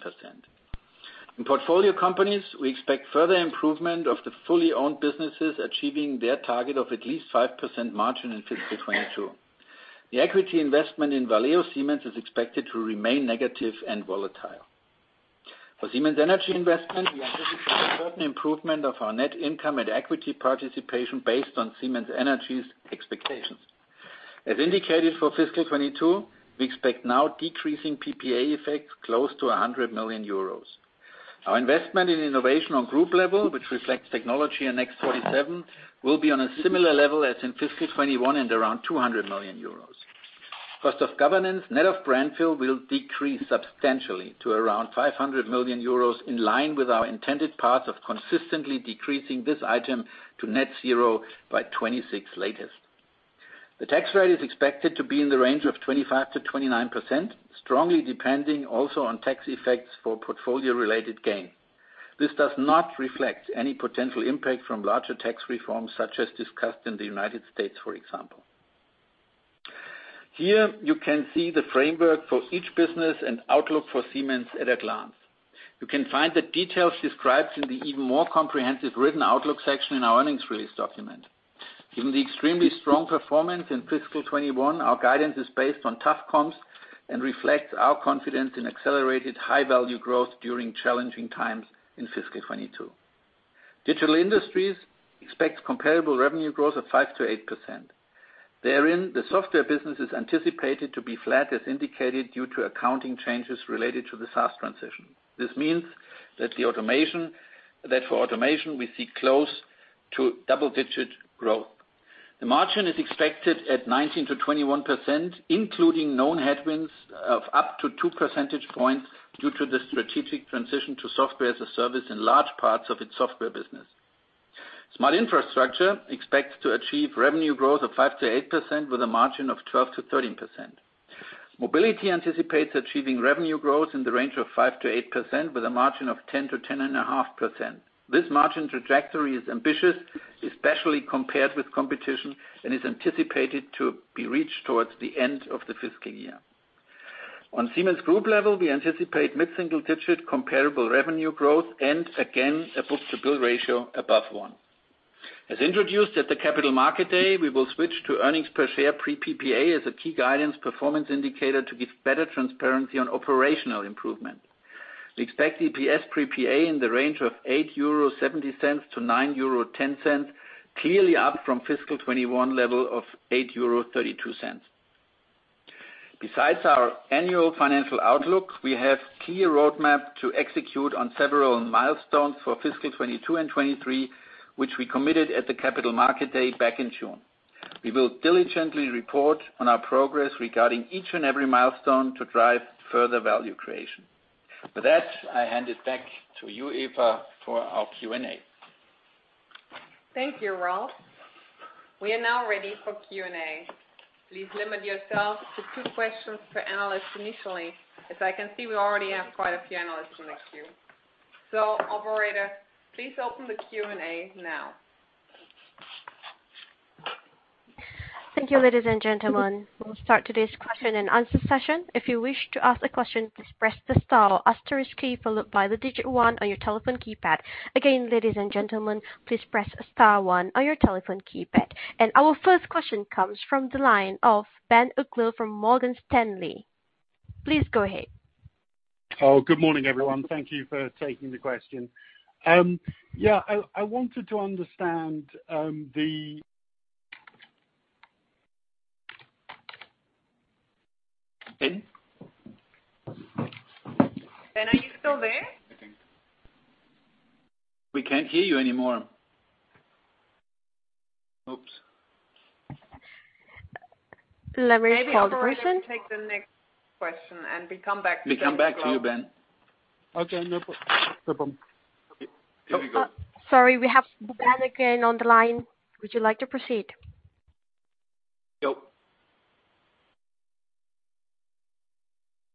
In portfolio companies, we expect further improvement of the fully owned businesses achieving their target of at least 5% margin in fiscal 2022. The equity investment in Valeo Siemens is expected to remain negative and volatile. For Siemens Energy investment, we anticipate a certain improvement of our net income and equity participation based on Siemens Energy's expectations. As indicated for fiscal 2022, we expect now decreasing PPA effects close to 100 million euros. Our investment in innovation on group level, which reflects T&I x47, will be on a similar level as in fiscal 2021 and around 200 million euros. Cost of governance, net of Brownfield, will decrease substantially to around 500 million euros in line with our intended path of consistently decreasing this item to net zero by 2026 latest. The tax rate is expected to be in the range of 25%-29%, strongly depending also on tax effects for portfolio-related gain. This does not reflect any potential impact from larger tax reforms such as discussed in the U.S., for example. Here, you can see the framework for each business and outlook for Siemens at a glance. You can find the details described in the even more comprehensive written outlook section in our earnings release document. Given the extremely strong performance in fiscal 2021, our guidance is based on tough comps and reflects our confidence in accelerated high-value growth during challenging times in fiscal 2022. Digital Industries expects comparable revenue growth of 5%-8%. Therein, the software business is anticipated to be flat as indicated due to accounting changes related to the SaaS transition. This means that for automation, we see close to double-digit growth. The margin is expected at 19%-21%, including known headwinds of up to two percentage points due to the strategic transition to software as a service in large parts of its software business. Smart Infrastructure expects to achieve revenue growth of 5%-8% with a margin of 12%-13%.Mobility anticipates achieving revenue growth in the range of 5%-8% with a margin of 10%-10.5%. This margin trajectory is ambitious, especially compared with competition, and is anticipated to be reached towards the end of the fiscal year. On Siemens Group level, we anticipate mid-single-digit comparable revenue growth and again a book-to-bill ratio above one. As introduced at the Capital Market Day, we will switch to earnings per share pre PPA as a key guidance performance indicator to give better transparency on operational improvement. We expect EPS pre PPA in the range of 8.70-9.10 euro, clearly up from fiscal 2021 level of 8.32 euro. Besides our annual financial outlook, we have clear roadmap to execute on several milestones for fiscal 2022 and 2023, which we committed at the Capital Market Day back in June. We will diligently report on our progress regarding each and every milestone to drive further value creation. With that, I hand it back to you, Eva, for our Q&A. Thank you, Ralf. We are now ready for Q&A. Please limit yourselves to two questions per analyst initially. As I can see, we already have quite a few analysts in the queue. Operator, please open the Q&A now. Thank you, ladies and gentlemen. We'll start today's question and answer session. If you wish to ask a question, please press the star or asterisk key followed by the digit one on your telephone keypad. Again, ladies and gentlemen, please press star one on your telephone keypad. Our first question comes from the line of Ben Uglow from Morgan Stanley. Please go ahead. Oh, good morning, everyone. Thank you for taking the question. Yeah, I wanted to understand, the. Ben? Ben, are you still there? I think we can't hear you anymore. Oops. Let me call the person. Maybe operator can take the next question, and we come back to Ben Uglow. We come back to you, Ben. Okay, no problem. Here we go. Sorry, we have Ben again on the line. Would you like to proceed? Yo.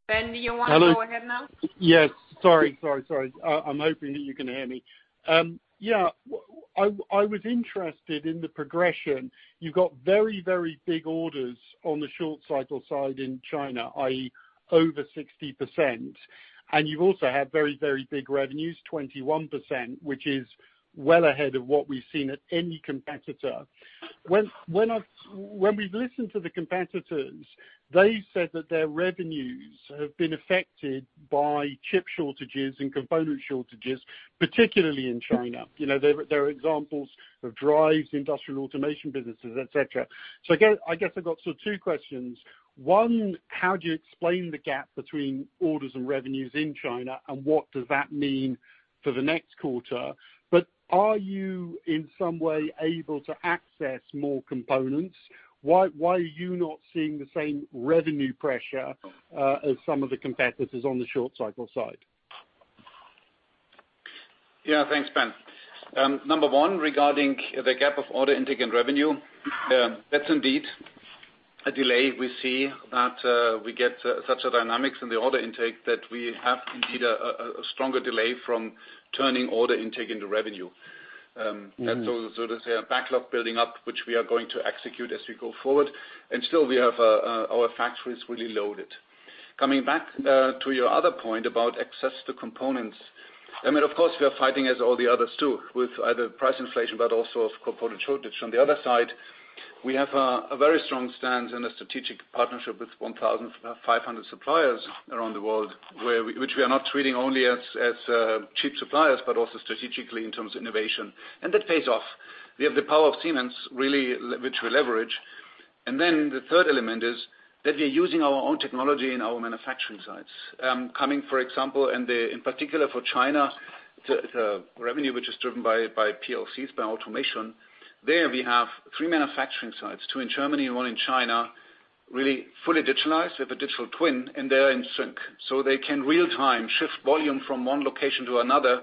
Ben, do you want to go ahead now? Yes. Sorry. I'm hoping that you can hear me. I was interested in the progression. You got very big orders on the short cycle side in China, i.e. over 60%. You've also had very big revenues, 21%, which is well ahead of what we've seen at any competitor. When we've listened to the competitors, they said that their revenues have been affected by chip shortages and component shortages, particularly in China. You know, they're examples of drives, industrial automation businesses, et cetera. I guess I've got sort of two questions. One, how do you explain the gap between orders and revenues in China, and what does that mean for the next quarter? Are you, in some way, able to access more components? Why are you not seeing the same revenue pressure as some of the competitors on the short cycle side? Yeah. Thanks, Ben. Number one, regarding the gap of order intake and revenue, that's indeed a delay. We see that we get such a dynamics in the order intake that we have indeed a stronger delay from turning order intake into revenue. That's so to say a backlog building up, which we are going to execute as we go forward. Still we have our factories really loaded. Coming back to your other point about access to components. I mean, of course, we are fighting as all the others too, with either price inflation, but also of component shortage. On the other side, we have a very strong stance and a strategic partnership with 1,500 suppliers around the world, which we are not treating only as cheap suppliers, but also strategically in terms of innovation. That pays off. We have the power of Siemens, really, which we leverage. Then the third element is that we are using our own technology in our manufacturing sites. For example, in particular for China, the revenue which is driven by PLCs, by automation. There we have three manufacturing sites, two in Germany and one in China, really fully digitalized. We have a digital twin, and they're in sync. They can real time shift volume from one location to another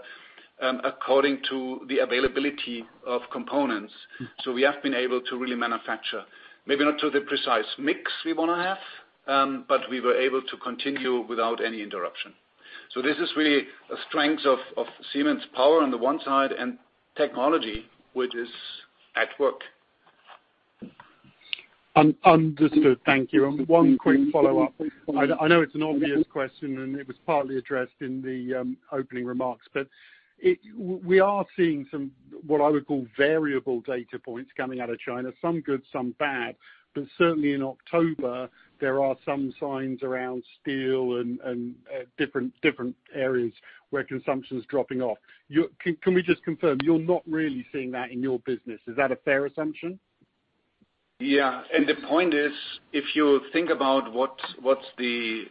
according to the availability of components. We have been able to really manufacture, maybe not to the precise mix we wanna have, but we were able to continue without any interruption. This is really a strength of Siemens power on the one side and technology, which is at work. Understood. Thank you. One quick follow-up. I know it's an obvious question, and it was partly addressed in the opening remarks, but we are seeing some, what I would call variable data points coming out of China, some good, some bad. Certainly in October, there are some signs around steel and different areas where consumption is dropping off. Can we just confirm you're not really seeing that in your business? Is that a fair assumption? Yeah. The point is, if you think about what's the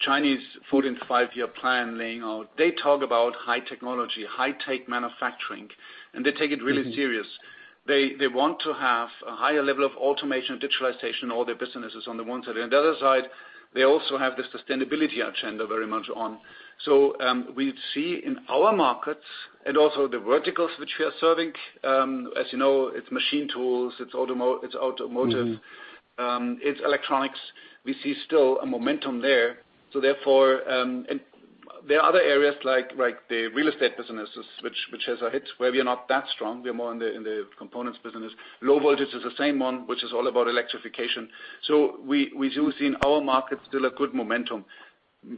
Chinese 14th Five-Year Plan laying out, they talk about high technology, high-tech manufacturing, and they take it really serious. They want to have a higher level of automation, digitalization, all their businesses on the one side. On the other side, they also have the sustainability agenda very much on. We see in our markets and also the verticals which we are serving, as you know, it's machine tools, it's automotive, it's electronics. We see still a momentum there. Therefore, there are other areas like the real estate businesses, which has been hit where we are not that strong. We're more in the components business. Low voltage is the same one, which is all about electrification. We do see in our markets still a good momentum.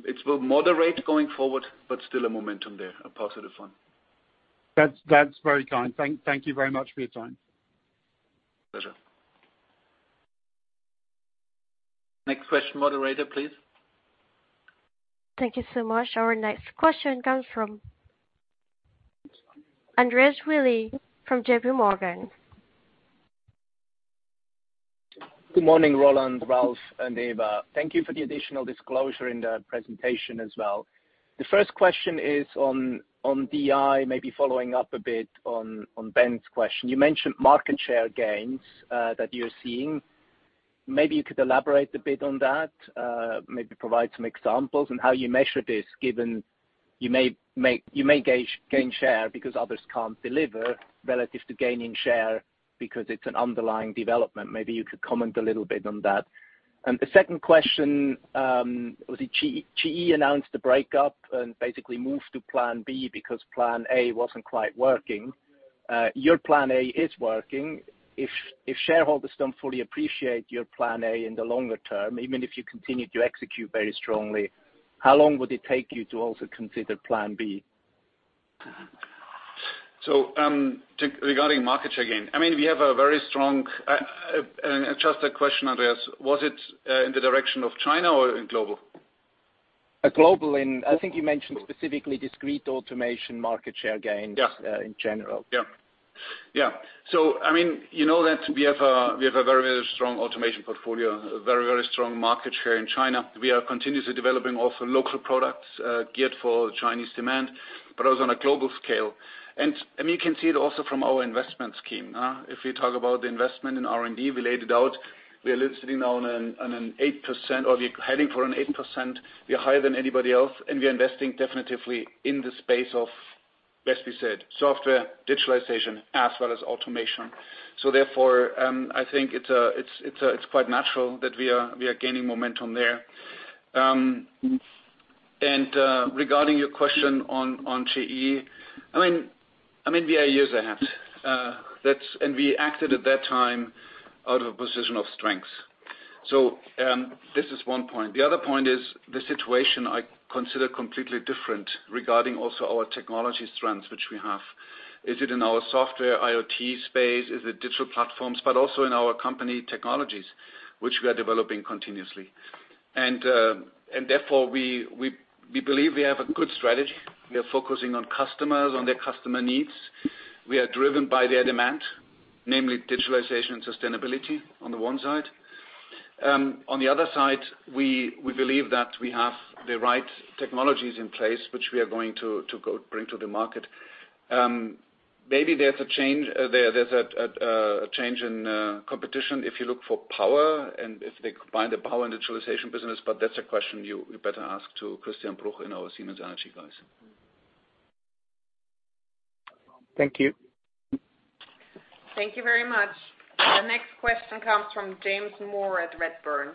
It will moderate going forward, but still a momentum there, a positive one. That's very kind. Thank you very much for your time. Pleasure. Next question, moderator, please. Thank you so much. Our next question comes from Andreas Willi from JP Morgan. Good morning, Roland, Ralf, and Eva. Thank you for the additional disclosure in the presentation as well. The first question is on DI, maybe following up a bit on Ben's question. You mentioned market share gains that you're seeing. Maybe you could elaborate a bit on that, maybe provide some examples on how you measure this, given you may gain share because others can't deliver relative to gaining share because it's an underlying development. Maybe you could comment a little bit on that. The second question, GE announced a breakup and basically moved to plan B because plan A wasn't quite working. Your plan A is working. If shareholders don't fully appreciate your plan A in the longer term, even if you continue to execute very strongly, how long would it take you to also consider plan B? Regarding market share gain, I mean, we have a very strong. Just a question, Andreas, was it in the direction of China or global? Global. I think you mentioned specifically discrete automation market share gains. Yeah in general. Yeah. Yeah. I mean, you know that we have a very strong automation portfolio, a very, very strong market share in China. We are continuously developing local products geared for Chinese demand, but also on a global scale. I mean, you can see it also from our investment scheme, huh? If we talk about the investment in R&D, we laid it out. We are sitting on an 8%, or we are heading for an 8%. We are higher than anybody else, and we are investing definitively in the space of, best we said, software, digitalization, as well as automation. Therefore, I think it's quite natural that we are gaining momentum there. Regarding your question on GE, I mean, we are years ahead. We acted at that time out of a position of strength. This is one point. The other point is the situation I consider completely different regarding also our technology strengths which we have. Is it in our software IoT space? Is it digital platforms? But also in our company technologies which we are developing continuously. Therefore we believe we have a good strategy. We are focusing on customers, on their customer needs. We are driven by their demand, namely digitalization and sustainability on the one side. On the other side, we believe that we have the right technologies in place which we are going to bring to the market. Maybe there's a change in competition if you look for power and if they combine the power and digitalization business, but that's a question you better ask to Christian Bruch and our Siemens Energy guys. Thank you. Thank you very much. The next question comes from James Moore at Redburn.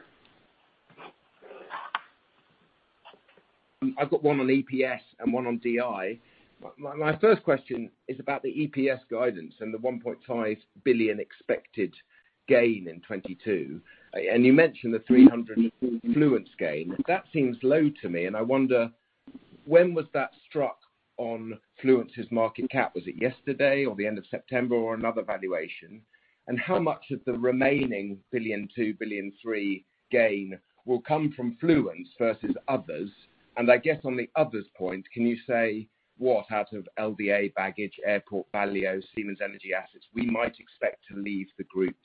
I've got one on EPS and one on DI. My first question is about the EPS guidance and the 1.5 billion expected gain in 2022. You mentioned the 300 million Fluence gain. That seems low to me, and I wonder when was that struck on Fluence's market cap? Was it yesterday or the end of September or another valuation? How much of the remaining 1.2 billion, 1.3 billion gain will come from Fluence versus others? I guess on the others point, can you say what out of LDA baggage, airport, Valeo, Siemens Energy assets we might expect to leave the group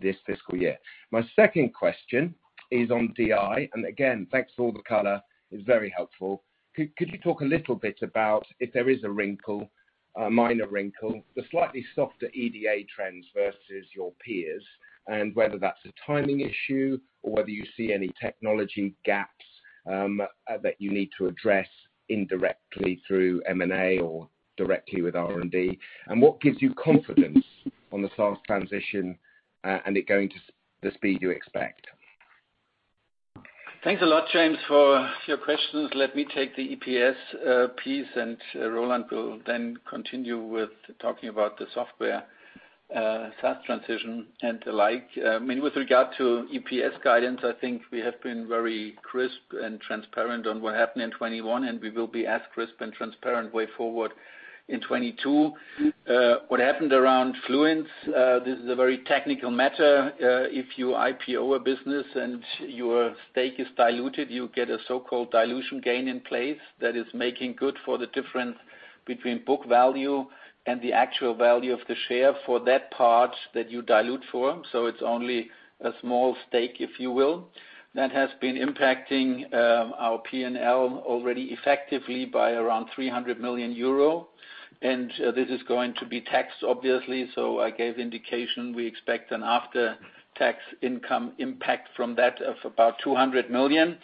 this fiscal year? My second question is on DI. Again, thanks for all the color. It's very helpful. Could you talk a little bit about if there is a wrinkle, a minor wrinkle, the slightly softer EDA trends versus your peers, and whether that's a timing issue or whether you see any technology gaps that you need to address indirectly through M&A or directly with R&D? What gives you confidence on the SaaS transition, and it going to the speed you expect? Thanks a lot, James, for your questions. Let me take the EPS piece, and Roland will then continue with talking about the software, SaaS transition and the like. I mean, with regard to EPS guidance, I think we have been very crisp and transparent on what happened in 2021, and we will be as crisp and transparent way forward in 2022. What happened around Fluence, this is a very technical matter. If you IPO a business and your stake is diluted, you get a so-called dilution gain in place that is making good for the difference between book value and the actual value of the share for that part that you dilute for. So it's only a small stake, if you will. That has been impacting our P&L already effectively by around 300 million euro. This is going to be taxed obviously, so I gave indication we expect an after-tax income impact from that of about 200 million.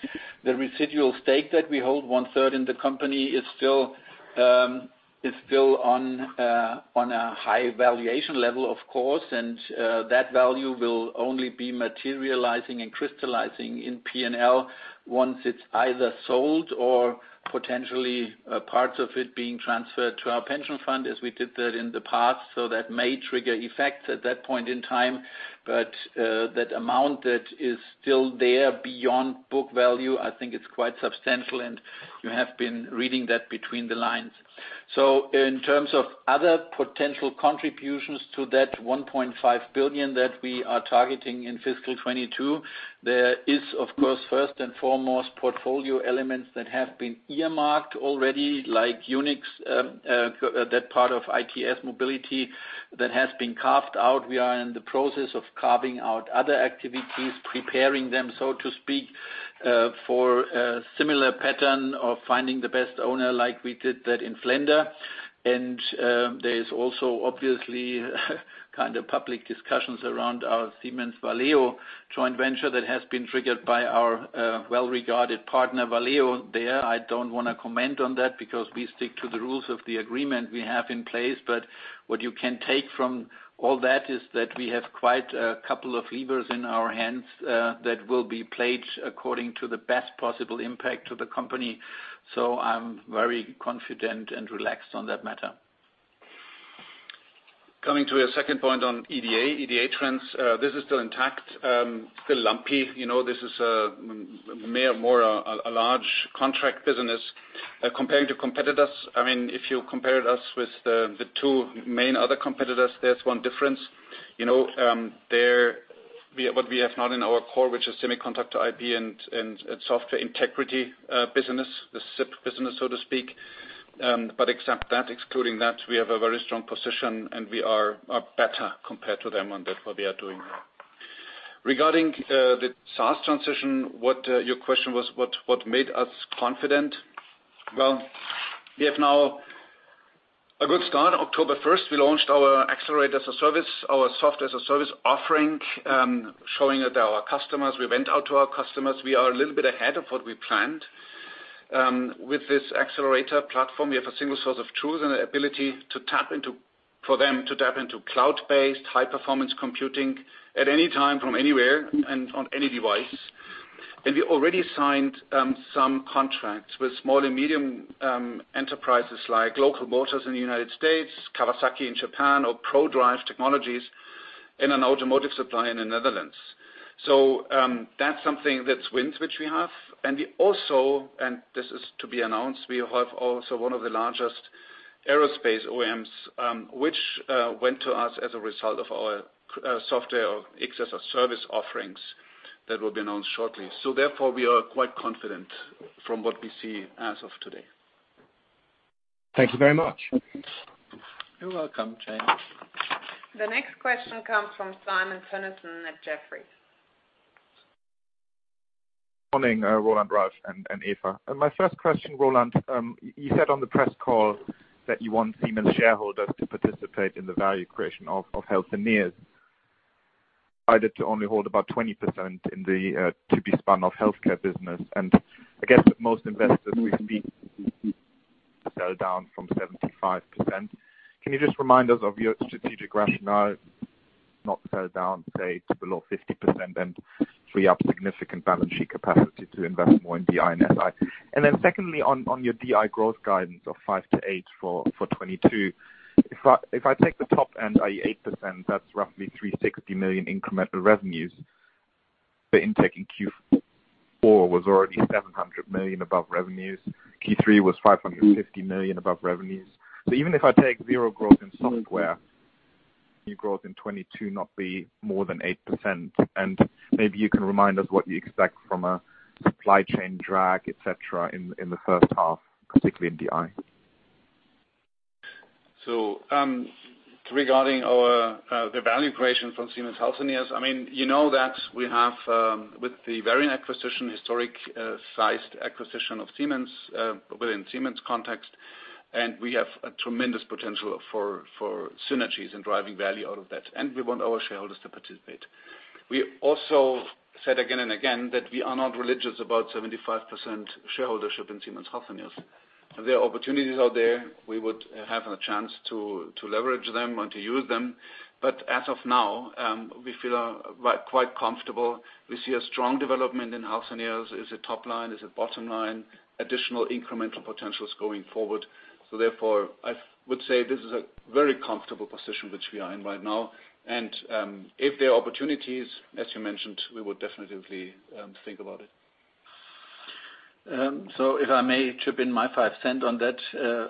The residual stake that we hold, one-third in the company, is still on a high valuation level, of course. That value will only be materializing and crystallizing in P&L once it's either sold or potentially parts of it being transferred to our pension fund as we did that in the past. That may trigger effects at that point in time. That amount that is still there beyond book value, I think it's quite substantial, and you have been reading that between the lines. In terms of other potential contributions to that 1.5 billion that we are targeting in fiscal 2022, there is of course, first and foremost portfolio elements that have been earmarked already, like Yunex, that part of its Mobility that has been carved out. We are in the process of carving out other activities, preparing them, so to speak, for a similar pattern of finding the best owner like we did that in Flender. There's also obviously kind of public discussions around our Siemens Valeo joint venture that has been triggered by our well-regarded partner, Valeo. There, I don't want to comment on that because we stick to the rules of the agreement we have in place. What you can take from all that is that we have quite a couple of levers in our hands, that will be played according to the best possible impact to the company. I'm very confident and relaxed on that matter. Coming to your second point on EDA trends, this is still intact, still lumpy. You know, this is a large contract business. Comparing to competitors, I mean, if you compared us with the two main other competitors, there's one difference. You know, what we have not in our core, which is semiconductor IP and software integrity business, the SIP business, so to speak. But except that, excluding that, we have a very strong position, and we are better compared to them on that, what we are doing there. Regarding the SaaS transition, your question was what made us confident. Well, we have now a good start. October first, we launched our Xcelerator as a Service, our Software as a Service offering, showing it to our customers. We went out to our customers. We are a little bit ahead of what we planned. With this Xcelerator platform, we have a single source of truth and the ability for them to tap into cloud-based high-performance computing at any time from anywhere and on any device. We already signed some contracts with small and medium enterprises like Local Motors in the United States, Kawasaki in Japan, or Prodrive Technologies, an automotive supplier in the Netherlands. That's something that's wins which we have. We also, this is to be announced, we have also one of the largest aerospace OEMs, which went to us as a result of our software or Xcelerator as a Service offerings that will be announced shortly. Therefore, we are quite confident from what we see as of today. Thank you very much. You're welcome, James. The next question comes from Simon Toennessen at Jefferies. Morning, Roland, Ralf, and Eva. My first question, Roland, you said on the press call that you want Siemens shareholders to participate in the value creation of Healthineers, either to only hold about 20% in the to be spun-off healthcare business. I guess most investors we speak sell down from 75%. Can you just remind us of your strategic rationale, not sell down, say, to below 50%, and free up significant balance sheet capacity to invest more in DI and SI? Then secondly, on your DI growth guidance of 5%-8% for 2022. If I take the top end, i.e. 8%, that's roughly 360 million incremental revenues. The intake in Q4 was already 700 million above revenues. Q3 was 550 million above revenues. Even if I take zero growth in software, new growth in 2022 not be more than 8%. Maybe you can remind us what you expect from a supply chain drag, et cetera, in the first half, particularly in DI. Regarding the value creation from Siemens Healthineers, I mean, you know that we have with the Varian acquisition, historically sized acquisition of Siemens within Siemens context, and we have a tremendous potential for synergies and driving value out of that, and we want our shareholders to participate. We also said again and again that we are not religious about 75% shareholdership in Siemens Healthineers. There are opportunities out there. We would have a chance to leverage them and to use them. As of now, we feel quite comfortable. We see a strong development in Healthineers. It's a top line, it's a bottom line, additional incremental potentials going forward. Therefore, I would say this is a very comfortable position which we are in right now. If there are opportunities, as you mentioned, we would definitely think about it. So if I may chip in my five cents on that,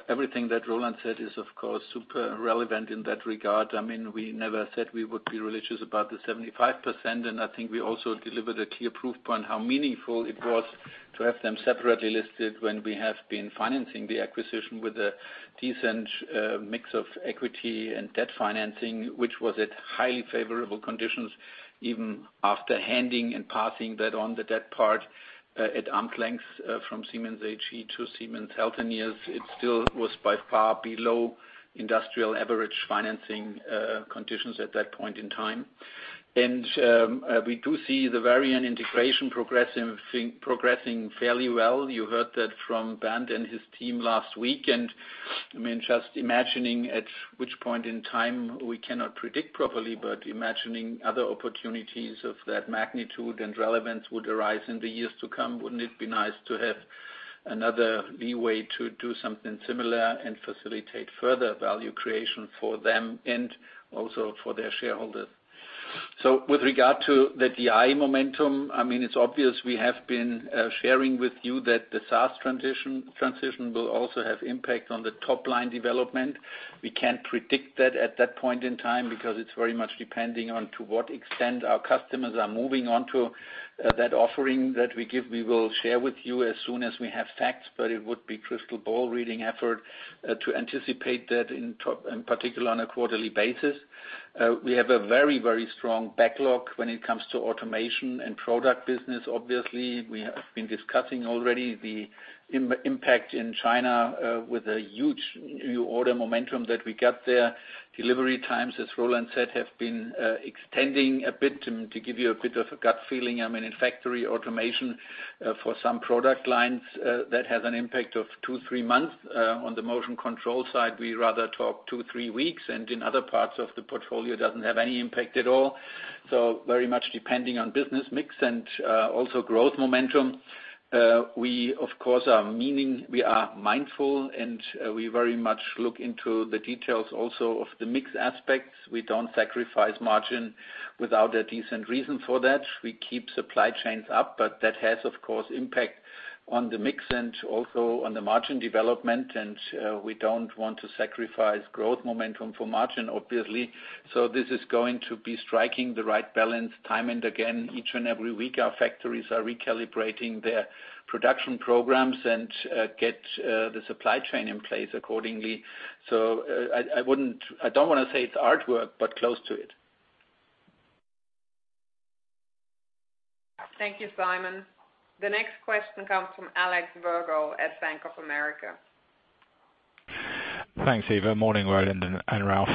everything that Roland said is of course super relevant in that regard. I mean, we never said we would be religious about the 75%, and I think we also delivered a clear proof point how meaningful it was to have them separately listed when we have been financing the acquisition with a decent mix of equity and debt financing, which was at highly favorable conditions, even after handing and passing that on the debt part at arm's length from Siemens AG to Siemens Healthineers, it still was by far below industrial average financing conditions at that point in time. We do see the Varian integration progressing fairly well. You heard that from Bernd and his team last week. I mean, just imagining at which point in time we cannot predict properly, but imagining other opportunities of that magnitude and relevance would arise in the years to come, wouldn't it be nice to have another leeway to do something similar and facilitate further value creation for them and also for their shareholders? With regard to the DI momentum, I mean, it's obvious we have been sharing with you that the SaaS transition will also have impact on the top line development. We can't predict that at that point in time because it's very much depending on to what extent our customers are moving on to that offering that we give. We will share with you as soon as we have facts, but it would be crystal ball reading effort to anticipate that in particular on a quarterly basis. We have a very, very strong backlog when it comes to automation and product business. Obviously, we have been discussing already the impact in China, with a huge new order momentum that we get there. Delivery times, as Roland said, have been extending a bit. To give you a bit of a gut feeling, I mean, in factory automation, for some product lines, that has an impact of two, three months. On the motion control side, we rather talk two, three weeks, and in other parts of the portfolio doesn't have any impact at all. Very much depending on business mix and also growth momentum. We of course are mindful, and we very much look into the details also of the mix aspects. We don't sacrifice margin without a decent reason for that. We keep supply chains up, but that has of course impact on the mix and also on the margin development, and we don't want to sacrifice growth momentum for margin, obviously. This is going to be striking the right balance time and again. Each and every week, our factories are recalibrating their production programs and get the supply chain in place accordingly. I don't wanna say it's artwork, but close to it. Thank you, Simon. The next question comes from Alexander Virgo at Bank of America. Thanks, Eva. Morning, Roland and Ralf.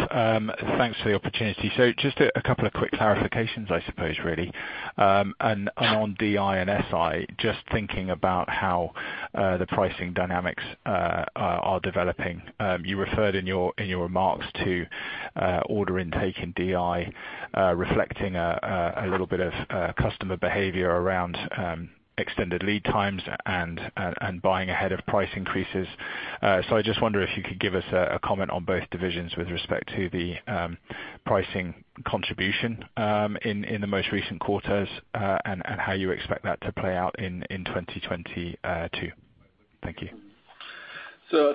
Thanks for the opportunity. Just a couple of quick clarifications, I suppose really. On DI and SI, just thinking about how the pricing dynamics are developing. You referred in your remarks to order intake in DI reflecting a little bit of customer behavior around extended lead times and buying ahead of price increases. I just wonder if you could give us a comment on both divisions with respect to the pricing contribution in the most recent quarters and how you expect that to play out in 2022. Thank you.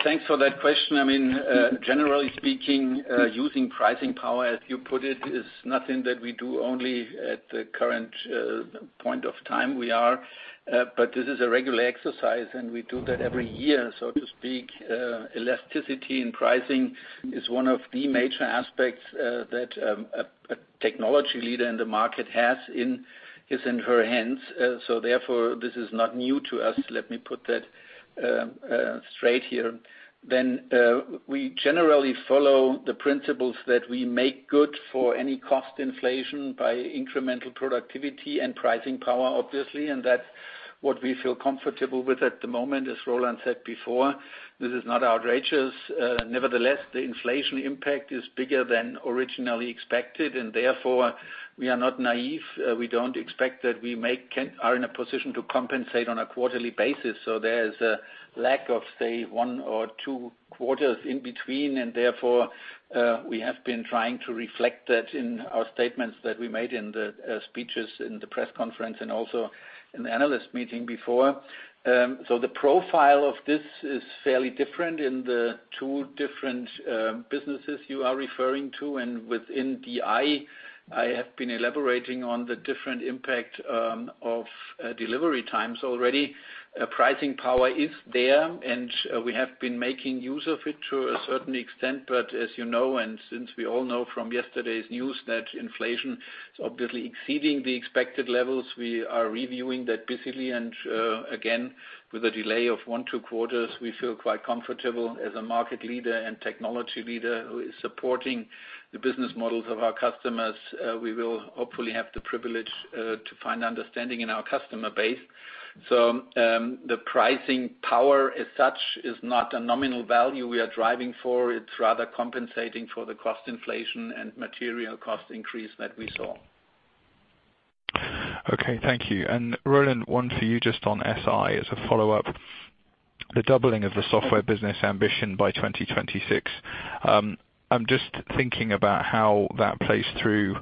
Thanks for that question. I mean, generally speaking, using pricing power, as you put it, is nothing that we do only at the current point of time we are, but this is a regular exercise, and we do that every year, so to speak. Elasticity in pricing is one of the major aspects that a technology leader in the market has in his and her hands. Therefore, this is not new to us. Let me put that straight here. We generally follow the principles that we make good for any cost inflation by incremental productivity and pricing power, obviously, and that's what we feel comfortable with at the moment. As Roland said before, this is not outrageous. Nevertheless, the inflation impact is bigger than originally expected, and therefore, we are not naive. We don't expect that we are in a position to compensate on a quarterly basis. There's a lack of, say, one or two quarters in between, and therefore, we have been trying to reflect that in our statements that we made in the speeches in the press conference and also in the analyst meeting before. The profile of this is fairly different in the two different businesses you are referring to. Within DI, I have been elaborating on the different impact of delivery times already. Pricing power is there, and we have been making use of it to a certain extent. As you know, and since we all know from yesterday's news that inflation is obviously exceeding the expected levels, we are reviewing that busily. With a delay of 1-2 quarters, we feel quite comfortable as a market leader and technology leader who is supporting the business models of our customers. We will hopefully have the privilege to find understanding in our customer base. The pricing power as such is not a nominal value we are driving for. It's rather compensating for the cost inflation and material cost increase that we saw. Okay. Thank you. Roland, one for you just on SI as a follow-up. The doubling of the software business ambition by 2026. I'm just thinking about how that plays through,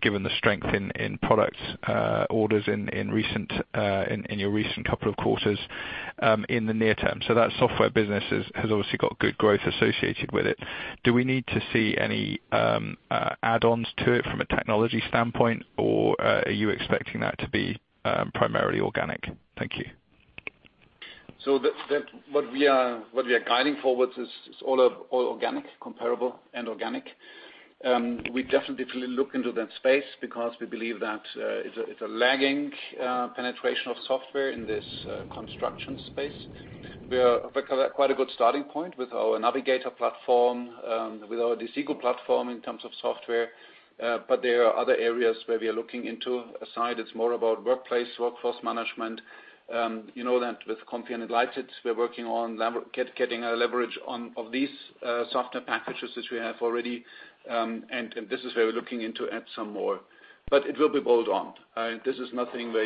given the strength in product orders in your recent couple of quarters, in the near term. That software business has obviously got good growth associated with it. Do we need to see any add-ons to it from a technology standpoint, or are you expecting that to be primarily organic? Thank you. What we are guiding forward is all organic, comparable and organic. We definitely look into that space because we believe that it's a lagging penetration of software in this construction space. We are, of course, at quite a good starting point with our Navigator platform, with our Desigo platform in terms of software. There are other areas where we are looking into a side that's more about workplace, workforce management. You know that with Comfy and Enlighted, we're working on getting leverage on these software packages that we have already. And this is where we're looking to add some more. It will be bolt-on. This is nothing where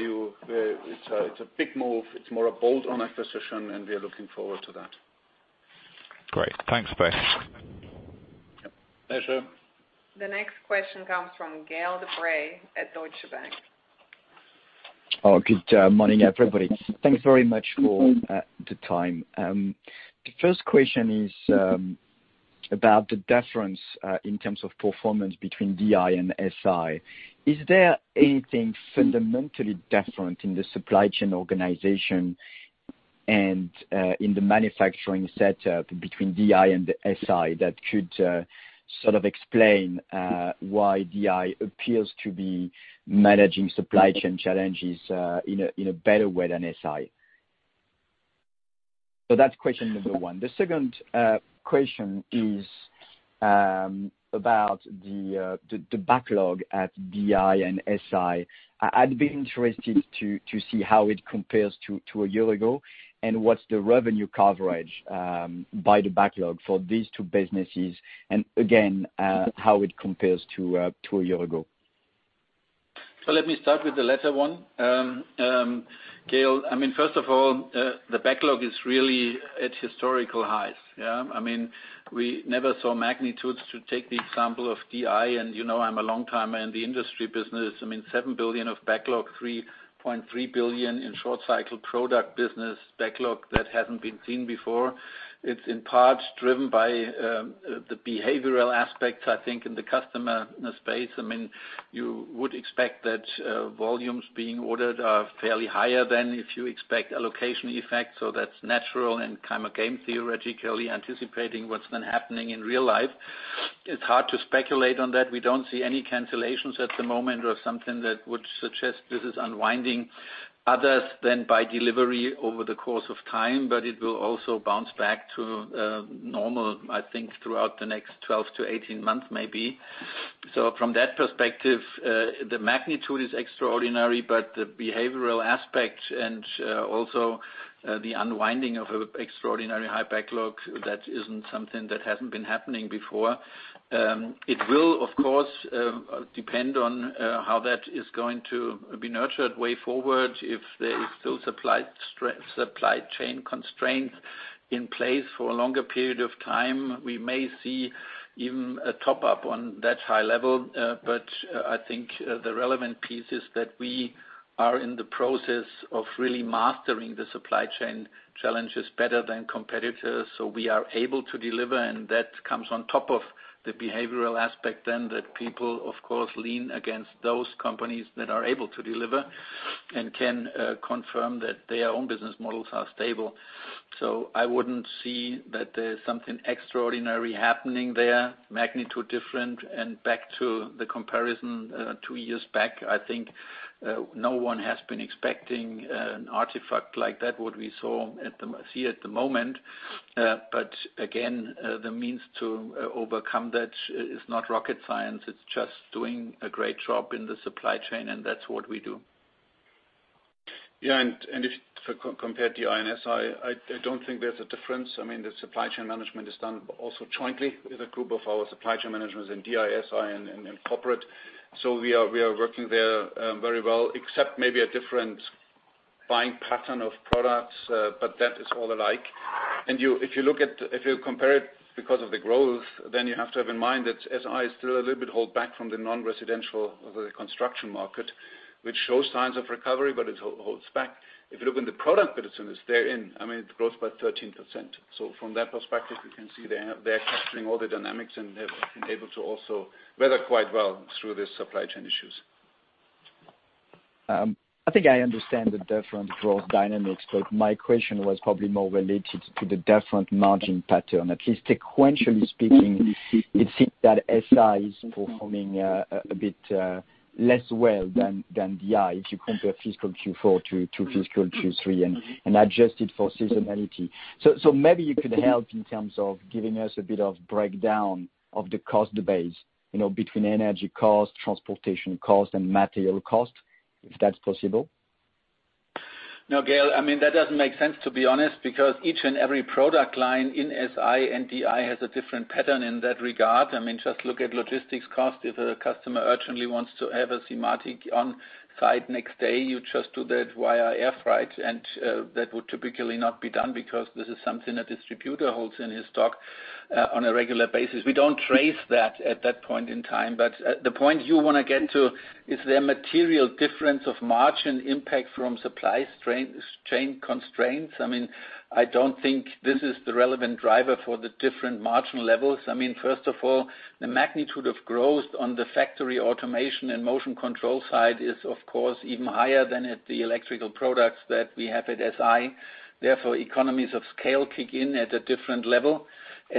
it's a big move. It's more a bolt-on acquisition, and we are looking forward to that. Great. Thanks, Bert. Pleasure. The next question comes from Gael de-Bray at Deutsche Bank. Oh, good morning, everybody. Thanks very much for the time. The first question is about the difference in terms of performance between DI and SI. Is there anything fundamentally different in the supply chain organization and in the manufacturing setup between DI and SI that could sort of explain why DI appears to be managing supply chain challenges in a better way than SI? That's question number one. The second question is about the backlog at DI and SI. I'd be interested to see how it compares to a year ago, and what's the revenue coverage by the backlog for these two businesses and again how it compares to a year ago. Let me start with the latter one. Gael de-Bray, I mean, first of all, the backlog is really at historical highs. I mean, we never saw magnitudes to take the example of DI and, you know, I'm a long-timer in the industry business. I mean, 7 billion of backlog, 3.3 billion in short cycle product business backlog that hasn't been seen before. It's in part driven by the behavioral aspects, I think, in the customer end space. I mean, you would expect that volumes being ordered are fairly higher than if you expect allocation effect. That's natural and kind of game theoretically anticipating what's been happening in real life. It's hard to speculate on that. We don't see any cancellations at the moment or something that would suggest this is unwinding other than by delivery over the course of time. It will also bounce back to normal, I think, throughout the next 12-18 months maybe. From that perspective, the magnitude is extraordinary, but the behavioral aspect and also the unwinding of an extraordinary high backlog, that isn't something that hasn't been happening before. It will, of course, depend on how that is going to be nurtured way forward. If there is still supply chain constraints in place for a longer period of time, we may see even a top-up on that high level. I think the relevant piece is that we are in the process of really mastering the supply chain challenges better than competitors, so we are able to deliver, and that comes on top of the behavioral aspect then that people, of course, lean against those companies that are able to deliver and can confirm that their own business models are stable. I wouldn't see that there's something extraordinary happening there, magnitude different. Back to the comparison, two years back, I think no one has been expecting an artifact like that, what we see at the moment. Again, the means to overcome that is not rocket science. It's just doing a great job in the supply chain, and that's what we do. Yeah. If compared to SI, I don't think there's a difference. I mean, the supply chain management is done also jointly with a group of our supply chain managements in DI and in Corporate. We are working there very well, except maybe a different buying pattern of products, but that is all alike. If you compare it because of the growth, then you have to have in mind that SI is still a little bit held back from the non-residential construction market, which shows signs of recovery, but it holds back. If you look in the product that it's in, it's there in. I mean, it grows by 13%. From that perspective, you can see they're capturing all the dynamics and they've been able to also weather quite well through the supply chain issues. I think I understand the different growth dynamics, but my question was probably more related to the different margin pattern. At least sequentially speaking, it seems that SI is performing a bit less well than DI if you compare fiscal Q4 to fiscal Q3 and adjust it for seasonality. Maybe you could help in terms of giving us a bit of breakdown of the cost base, you know, between energy cost, transportation cost, and material cost, if that's possible. No, Gael de-Bray, I mean, that doesn't make sense, to be honest, because each and every product line in SI and DI has a different pattern in that regard. I mean, just look at logistics cost. If a customer urgently wants to have a SIMATIC on site next day, you just do that via air freight. That would typically not be done because this is something a distributor holds in his stock on a regular basis. We don't trace that at that point in time. The point you wanna get to, is there material difference of margin impact from supply chain constraints? I mean, I don't think this is the relevant driver for the different margin levels. I mean, first of all, the magnitude of growth on the factory automation and motion control side is, of course, even higher than at the electrical products that we have at SI. Therefore, economies of scale kick in at a different level.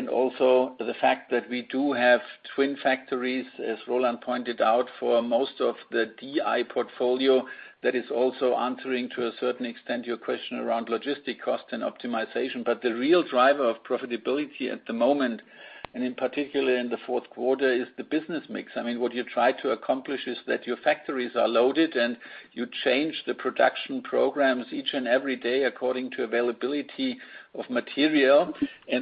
Also the fact that we do have twin factories, as Roland pointed out, for most of the DI portfolio that is also answering to a certain extent your question around logistics cost and optimization. The real driver of profitability at the moment, and in particular in the fourth quarter, is the business mix. I mean, what you try to accomplish is that your factories are loaded and you change the production programs each and every day according to availability of material.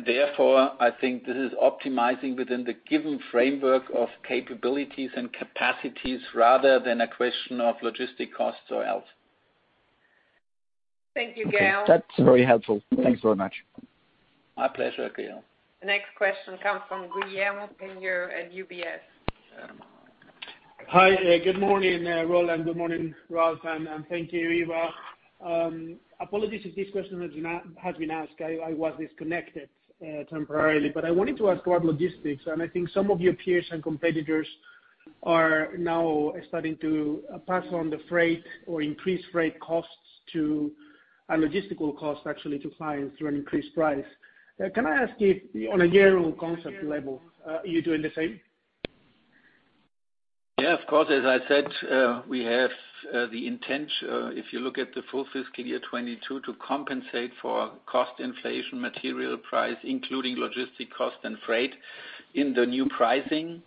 Therefore, I think this is optimizing within the given framework of capabilities and capacities rather than a question of logistics costs or else. Thank you, Gael de-Bray. Okay. That's very helpful. Thanks very much. My pleasure, Gael. The next question comes from Guillermo Peigneux Lojo at UBS. Hi. Good morning, Roland. Good morning, Ralf, and thank you, Eva. Apologies if this question has been asked. I was disconnected temporarily. I wanted to ask about logistics, and I think some of your peers and competitors are now starting to pass on the freight or increase freight costs to logistical costs actually to clients through an increased price. Can I ask if on a general concept level, are you doing the same? Yeah, of course. As I said, we have the intent, if you look at the full fiscal year 2022, to compensate for cost inflation, material price, including logistic cost and freight in the new pricing.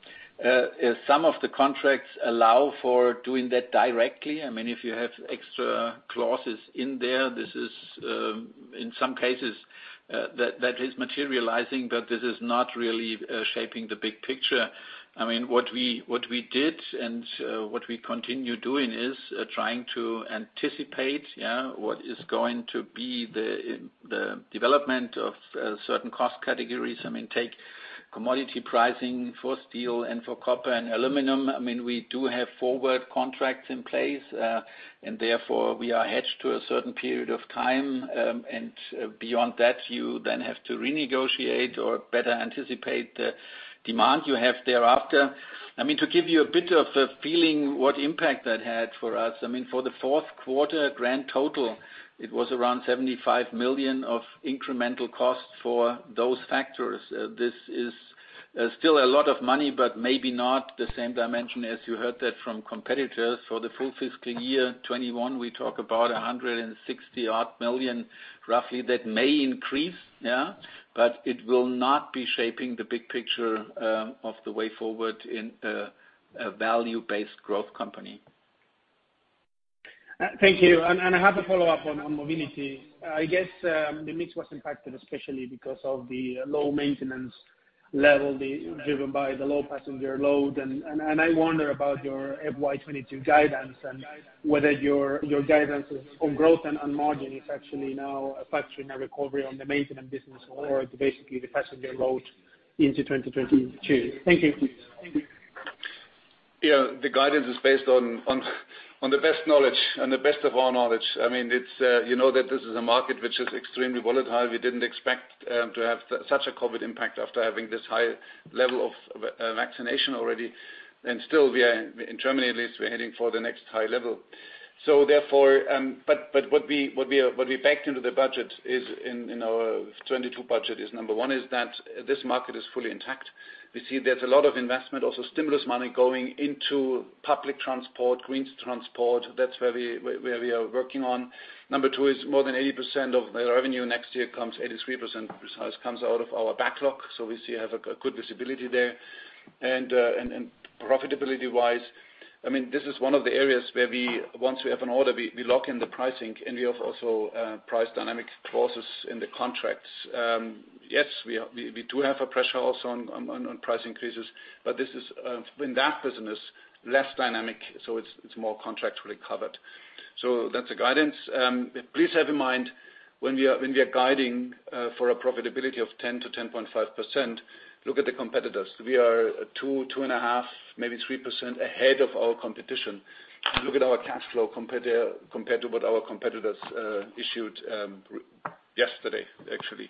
Some of the contracts allow for doing that directly. I mean, if you have extra clauses in there, this is, in some cases, that is materializing, but this is not really shaping the big picture. I mean, what we did and what we continue doing is trying to anticipate what is going to be the development of certain cost categories. I mean, take commodity pricing for steel and for copper and aluminum. I mean, we do have forward contracts in place, and therefore we are hedged to a certain period of time. Beyond that, you then have to renegotiate or better anticipate the demand you have thereafter. I mean, to give you a bit of a feeling what impact that had for us, I mean, for the fourth quarter grand total, it was around 75 million of incremental costs for those factors. This is still a lot of money, but maybe not the same dimension as you heard that from competitors. For the full fiscal year 2021, we talk about a hundred and sixty odd million roughly. That may increase, but it will not be shaping the big picture of the way forward in a value-based growth company. Thank you. I have a follow-up on mobility. I guess, the mix was impacted especially because of the low maintenance level, driven by the low passenger load. I wonder about your FY 2022 guidance and whether your guidance is on growth and margin is actually now factoring a recovery on the maintenance business or basically the passenger load into 2022. Thank you. Yeah. The guidance is based on the best of our knowledge. I mean, it's you know that this is a market which is extremely volatile. We didn't expect to have such a COVID impact after having this high level of vaccination already. Still, we are, in Germany at least, we're heading for the next high level. Therefore, what we backed into the budget in our 2022 budget is number one, that this market is fully intact. We see there's a lot of investment, also stimulus money going into public transport, green transport. That's where we are working on. Number two is more than 80% of the revenue next year comes, 83% comes out of our backlog. We have a good visibility there. Profitability-wise, I mean, this is one of the areas where once we have an order, we lock in the pricing, and we have also price dynamic clauses in the contracts. Yes, we do have a pressure also on price increases, but this is in that business less dynamic, so it's more contractually covered. That's the guidance. Please have in mind when we are guiding for a profitability of 10%-10.5%, look at the competitors. We are 2.5, maybe 3% ahead of our competition. Look at our cash flow compared to what our competitors issued yesterday, actually.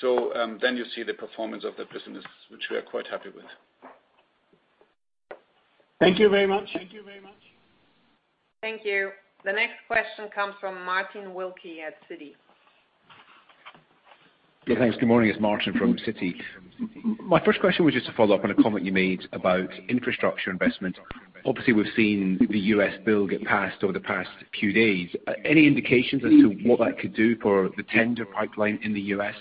You see the performance of the business which we are quite happy with. Thank you very much. Thank you. The next question comes from Martin Wilkie at Citi. Yeah, thanks. Good morning. It's Martin from Citi. My first question was just a follow-up on a comment you made about infrastructure investment. Obviously, we've seen the U.S. bill get passed over the past few days. Any indications as to what that could do for the tender pipeline in the U.S.?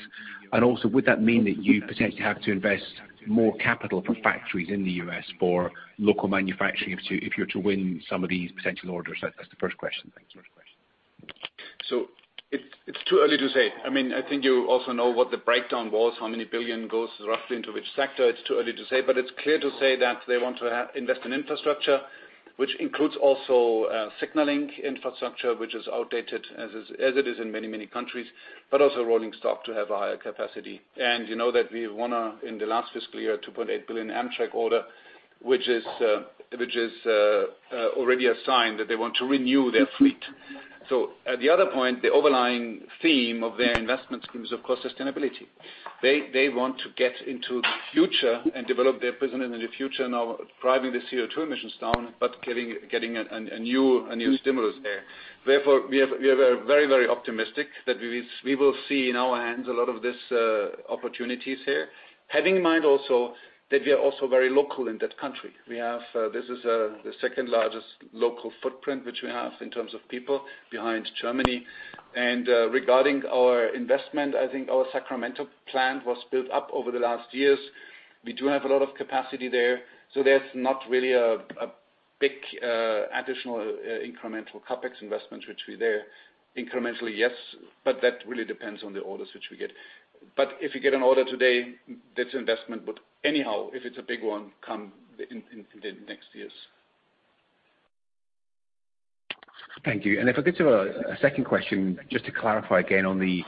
And also, would that mean that you potentially have to invest more capital for factories in the U.S. for local manufacturing if you're to win some of these potential orders? That's the first question. Thank you. It's too early to say. I mean, I think you also know what the breakdown was, how many billion goes roughly into which sector. It's too early to say. It's clear to say that they want to invest in infrastructure, which includes also signaling infrastructure, which is outdated as it is in many countries, but also rolling stock to have a higher capacity. You know that we won, in the last fiscal year, a $2.8 billion Amtrak order, which is already a sign that they want to renew their fleet. At the other point, the overarching theme of their investment scheme is, of course, sustainability. They want to get into the future and develop their business in the future, now driving the CO2 emissions down, but getting a new stimulus there. Therefore, we are very optimistic that we will see in our hands a lot of these opportunities here. Having in mind also that we are also very local in that country. This is the second-largest local footprint which we have in terms of people behind Germany. Regarding our investment, I think our Sacramento plant was built up over the last years. We do have a lot of capacity there, so there's not really a big additional incremental CapEx investment there. Incrementally, yes, but that really depends on the orders which we get. If you get an order today, that investment would anyhow, if it's a big one, come in in the next years. Thank you. If I could do a second question just to clarify again on the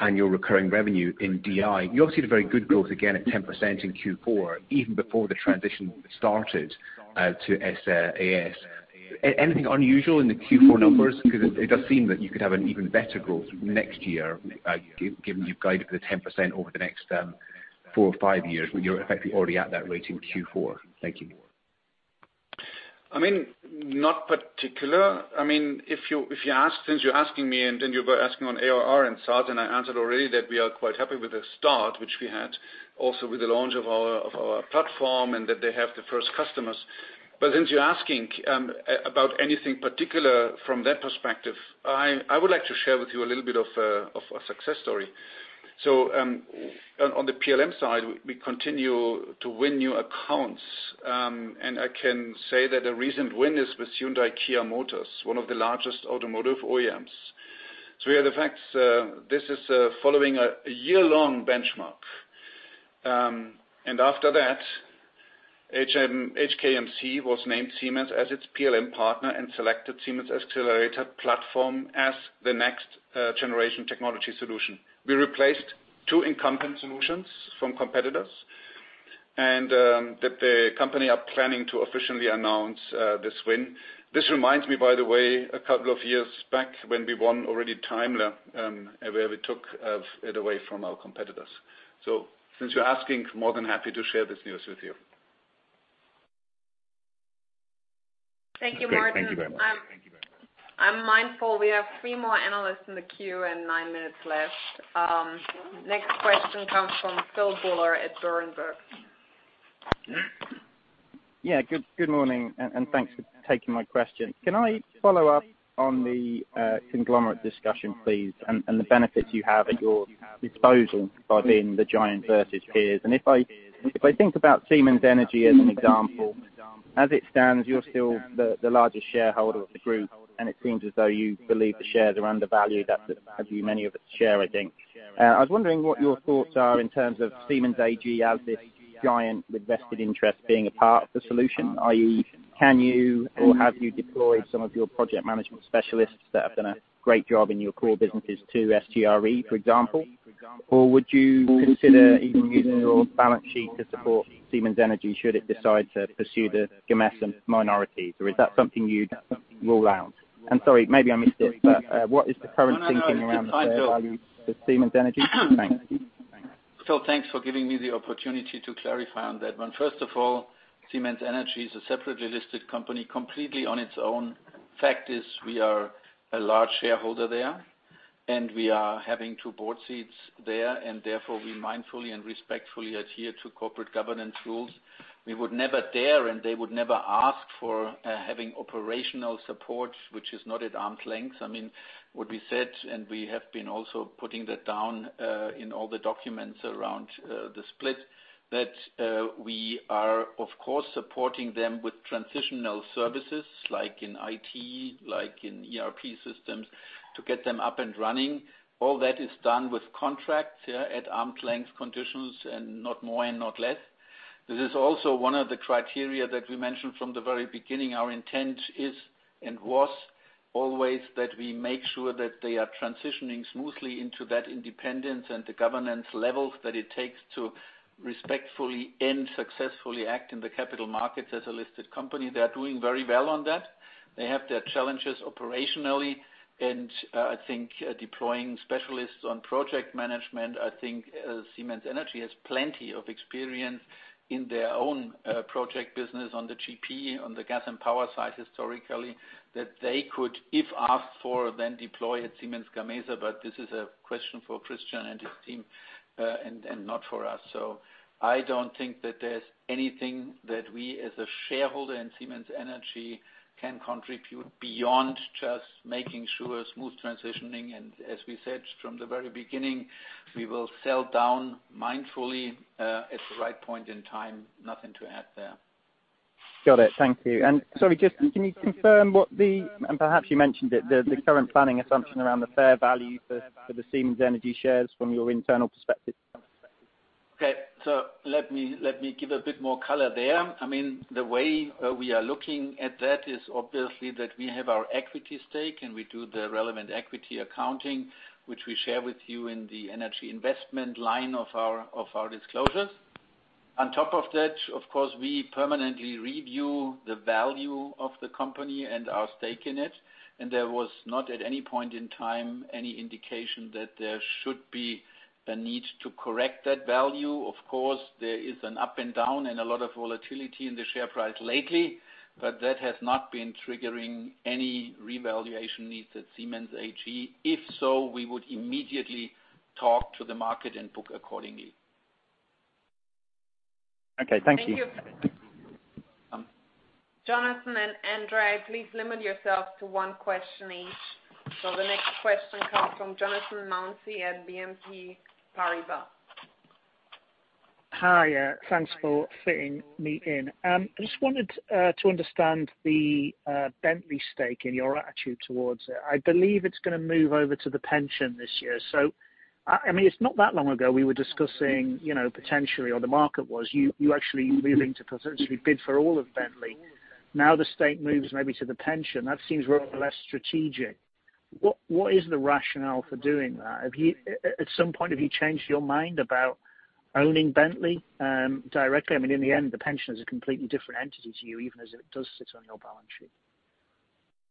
annual recurring revenue in DI. You obviously had a very good growth again at 10% in Q4, even before the transition started to SaaS. Anything unusual in the Q4 numbers? Because it does seem that you could have an even better growth next year, given you've guided for the 10% over the next four or five years, when you're effectively already at that rate in Q4. Thank you. I mean, not particular. I mean, if you ask since you're asking me, and then you were asking on ARR and SaaS, and I answered already that we are quite happy with the start which we had, also with the launch of our platform and that they have the first customers. Since you're asking about anything particular from that perspective, I would like to share with you a little bit of a success story. On the PLM side, we continue to win new accounts. I can say that a recent win is with Hyundai KIA Motors, one of the largest automotive OEMs. We have the facts. This is following a year-long benchmark. After that, HKMC was named Siemens as its PLM partner and selected Siemens Xcelerator platform as the next generation technology solution. We replaced two incumbent solutions from competitors and that the company are planning to officially announce this win. This reminds me, by the way, a couple of years back when we won already Daimler, where we took it away from our competitors. Since you're asking, more than happy to share this news with you. Thank you, Martin. Thank you very much. I'm mindful we have three more analysts in the queue and nine minutes left. Next question comes from Phil Buller at Berenberg. Yeah. Good morning, and thanks for taking my question. Can I follow up on the conglomerate discussion, please, and the benefits you have at your disposal by being the giant versus peers? If I think about Siemens Energy as an example, as it stands, you're still the largest shareholder of the group, and it seems as though you believe the shares are undervalued. That's a view many of us share, I think. I was wondering what your thoughts are in terms of Siemens AG as this giant with vested interest being a part of the solution. i.e., can you or have you deployed some of your project management specialists that have done a great job in your core businesses to SGRE, for example? Would you consider even using your balance sheet to support Siemens Energy should it decide to pursue the Gamesa minority? Is that something you'd rule out? Sorry, maybe I missed it, but what is the current thinking around the fair value for Siemens Energy? Thanks. Phil, thanks for giving me the opportunity to clarify on that one. First of all, Siemens Energy is a separately listed company completely on its own. Fact is, we are a large shareholder there, and we are having two board seats there, and therefore we mindfully and respectfully adhere to corporate governance rules. We would never dare, and they would never ask for, having operational support, which is not at arm's length. I mean, what we said, and we have been also putting that down, in all the documents around, the split, that, we are of course, supporting them with transitional services like in IT, like in ERP systems, to get them up and running. All that is done with contracts, yeah, at arm's length conditions and not more and not less. This is also one of the criteria that we mentioned from the very beginning. Our intent is and was always that we make sure that they are transitioning smoothly into that independence and the governance levels that it takes to respectfully and successfully act in the capital markets as a listed company. They are doing very well on that. They have their challenges operationally, and I think deploying specialists on project management. I think Siemens Energy has plenty of experience in their own project business on the GP, on the gas and power side historically, that they could, if asked for, then deploy at Siemens Gamesa. But this is a question for Christian and his team, and not for us. So I don't think that there's anything that we as a shareholder in Siemens Energy can contribute beyond just making sure smooth transitioning. As we said from the very beginning, we will sell down mindfully at the right point in time. Nothing to add there. Got it. Thank you. Sorry, just can you confirm what, and perhaps you mentioned it, the current planning assumption around the fair value for the Siemens Energy shares from your internal perspective? Okay. Let me give a bit more color there. I mean, the way we are looking at that is obviously that we have our equity stake, and we do the relevant equity accounting, which we share with you in the energy investment line of our disclosures. On top of that, of course, we permanently review the value of the company and our stake in it. There was not at any point in time any indication that there should be a need to correct that value. Of course, there is an up and a down and a lot of volatility in the share price lately, but that has not been triggering any revaluation needs at Siemens AG. If so, we would immediately talk to the market and book accordingly. Okay. Thank you. Thank you. Jonathan and Andre, please limit yourself to one question each. The next question comes from Jonathan Mounsey at BNP Paribas. Hi, thanks for fitting me in. I just wanted to understand the Bentley stake and your attitude towards it. I believe it's gonna move over to the pension this year. I mean, it's not that long ago we were discussing, you know, potentially, or the market was, you actually willing to potentially bid for all of Bentley. Now the stake moves maybe to the pension. That seems rather less strategic. What is the rationale for doing that? At some point, have you changed your mind about owning Bentley directly? I mean, in the end, the pension is a completely different entity to you, even as it does sit on your balance sheet.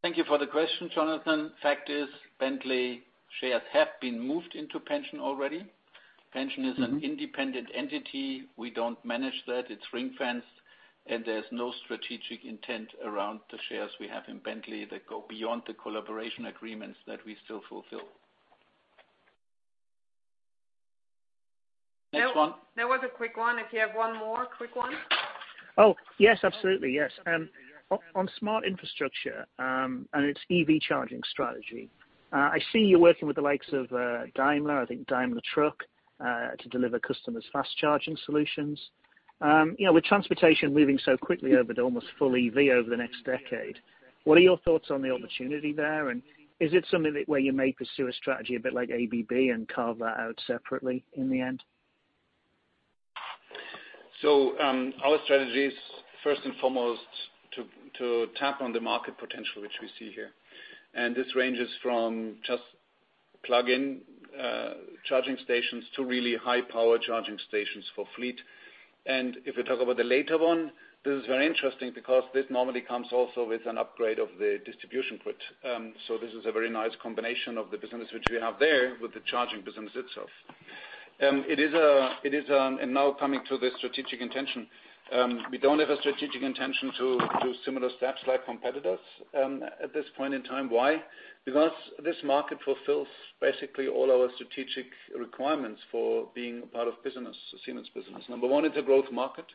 Thank you for the question, Jonathan. Fact is, Bentley shares have been moved into pension already. Pension is an independent entity. We don't manage that. It's ring-fenced, and there's no strategic intent around the shares we have in Bentley that go beyond the collaboration agreements that we still fulfill. Next one. That was a quick one. If you have one more quick one. Oh, yes, absolutely, yes. On Smart Infrastructure and its EV charging strategy, I see you're working with the likes of Daimler, I think Daimler Truck, to deliver customers fast charging solutions. You know, with transportation moving so quickly over to almost full EV over the next decade, what are your thoughts on the opportunity there? Is it something that where you may pursue a strategy a bit like ABB and carve that out separately in the end? Our strategy is first and foremost to tap on the market potential, which we see here. This ranges from just plug-in charging stations to really high-power charging stations for fleet. If we talk about the latter one, this is very interesting because this normally comes also with an upgrade of the distribution grid. This is a very nice combination of the business which we have there with the charging business itself. It is and now coming to the strategic intention. We don't have a strategic intention to do similar steps like competitors at this point in time. Why? Because this market fulfills basically all our strategic requirements for being a part of business, Siemens business. Number one, it's a growth market.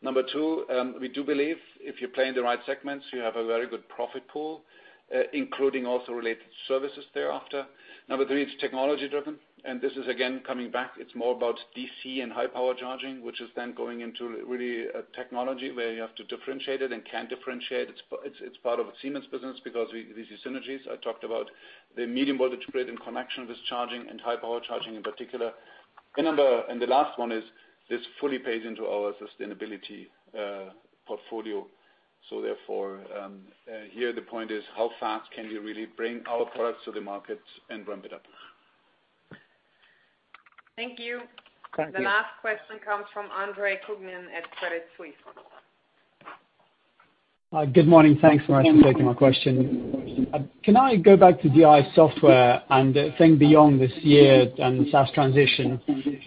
Number two, we do believe if you play in the right segments, you have a very good profit pool, including also related services thereafter. Number three, it's technology-driven, and this is again coming back. It's more about DC and high power charging, which is then going into really a technology where you have to differentiate it and can differentiate. It's part of a Siemens business because we see synergies. I talked about the medium voltage grid in connection with charging and high power charging in particular. The last one is this fully plays into our sustainability portfolio. Therefore, here the point is how fast can we really bring our products to the market and ramp it up? Thank you. Thank you. The last question comes from Andre Kukhnin at Credit Suisse. Good morning. Thanks for taking my question. Can I go back to DI software and think beyond this year and SaaS transition?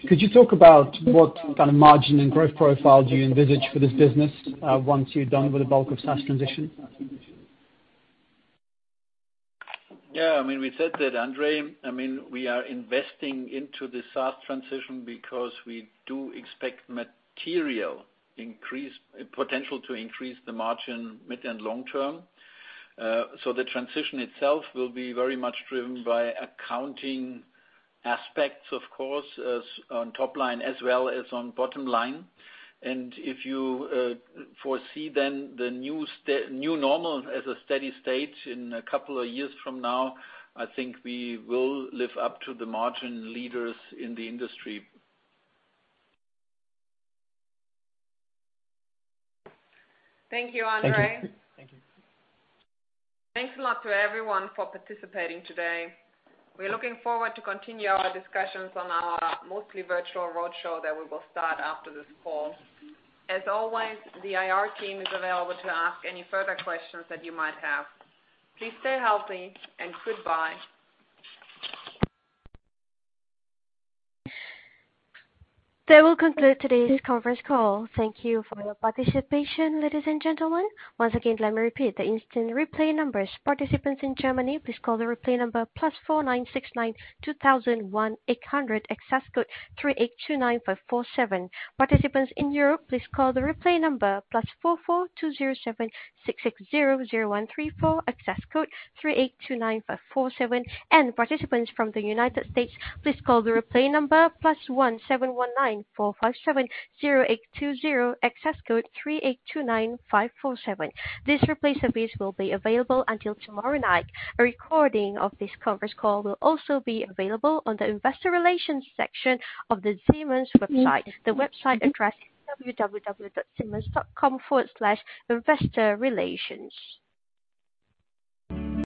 Could you talk about what kind of margin and growth profile do you envisage for this business, once you're done with the bulk of SaaS transition? Yeah, I mean, we said that Andre. I mean, we are investing into the SaaS transition because we do expect material potential to increase the margin mid and long term. The transition itself will be very much driven by accounting aspects, of course, as on top line as well as on bottom line. If you foresee then the new normal as a steady state in a couple of years from now, I think we will live up to the margin leaders in the industry. Thank you, Andre. Thank you. Thanks a lot to everyone for participating today. We're looking forward to continue our discussions on our mostly virtual roadshow that we will start after this call. As always, the IR team is available to ask any further questions that you might have. Please stay healthy, and goodbye. That will conclude today's conference call. Thank you for your participation, ladies and gentlemen. Once again, let me repeat the instant replay numbers. Participants in Germany, please call the replay number +49 69 2000 1800. Access code 3829547. Participants in Europe, please call the replay number +44 20 7660 0134. Access code 3829547. Participants from the United States, please call the replay number +1 719 457 0820. Access code 3829547. This replay service will be available until tomorrow night. A recording of this conference call will also be available on the investor relations section of the Siemens website. The website address is www.siemens.com/investorrelations.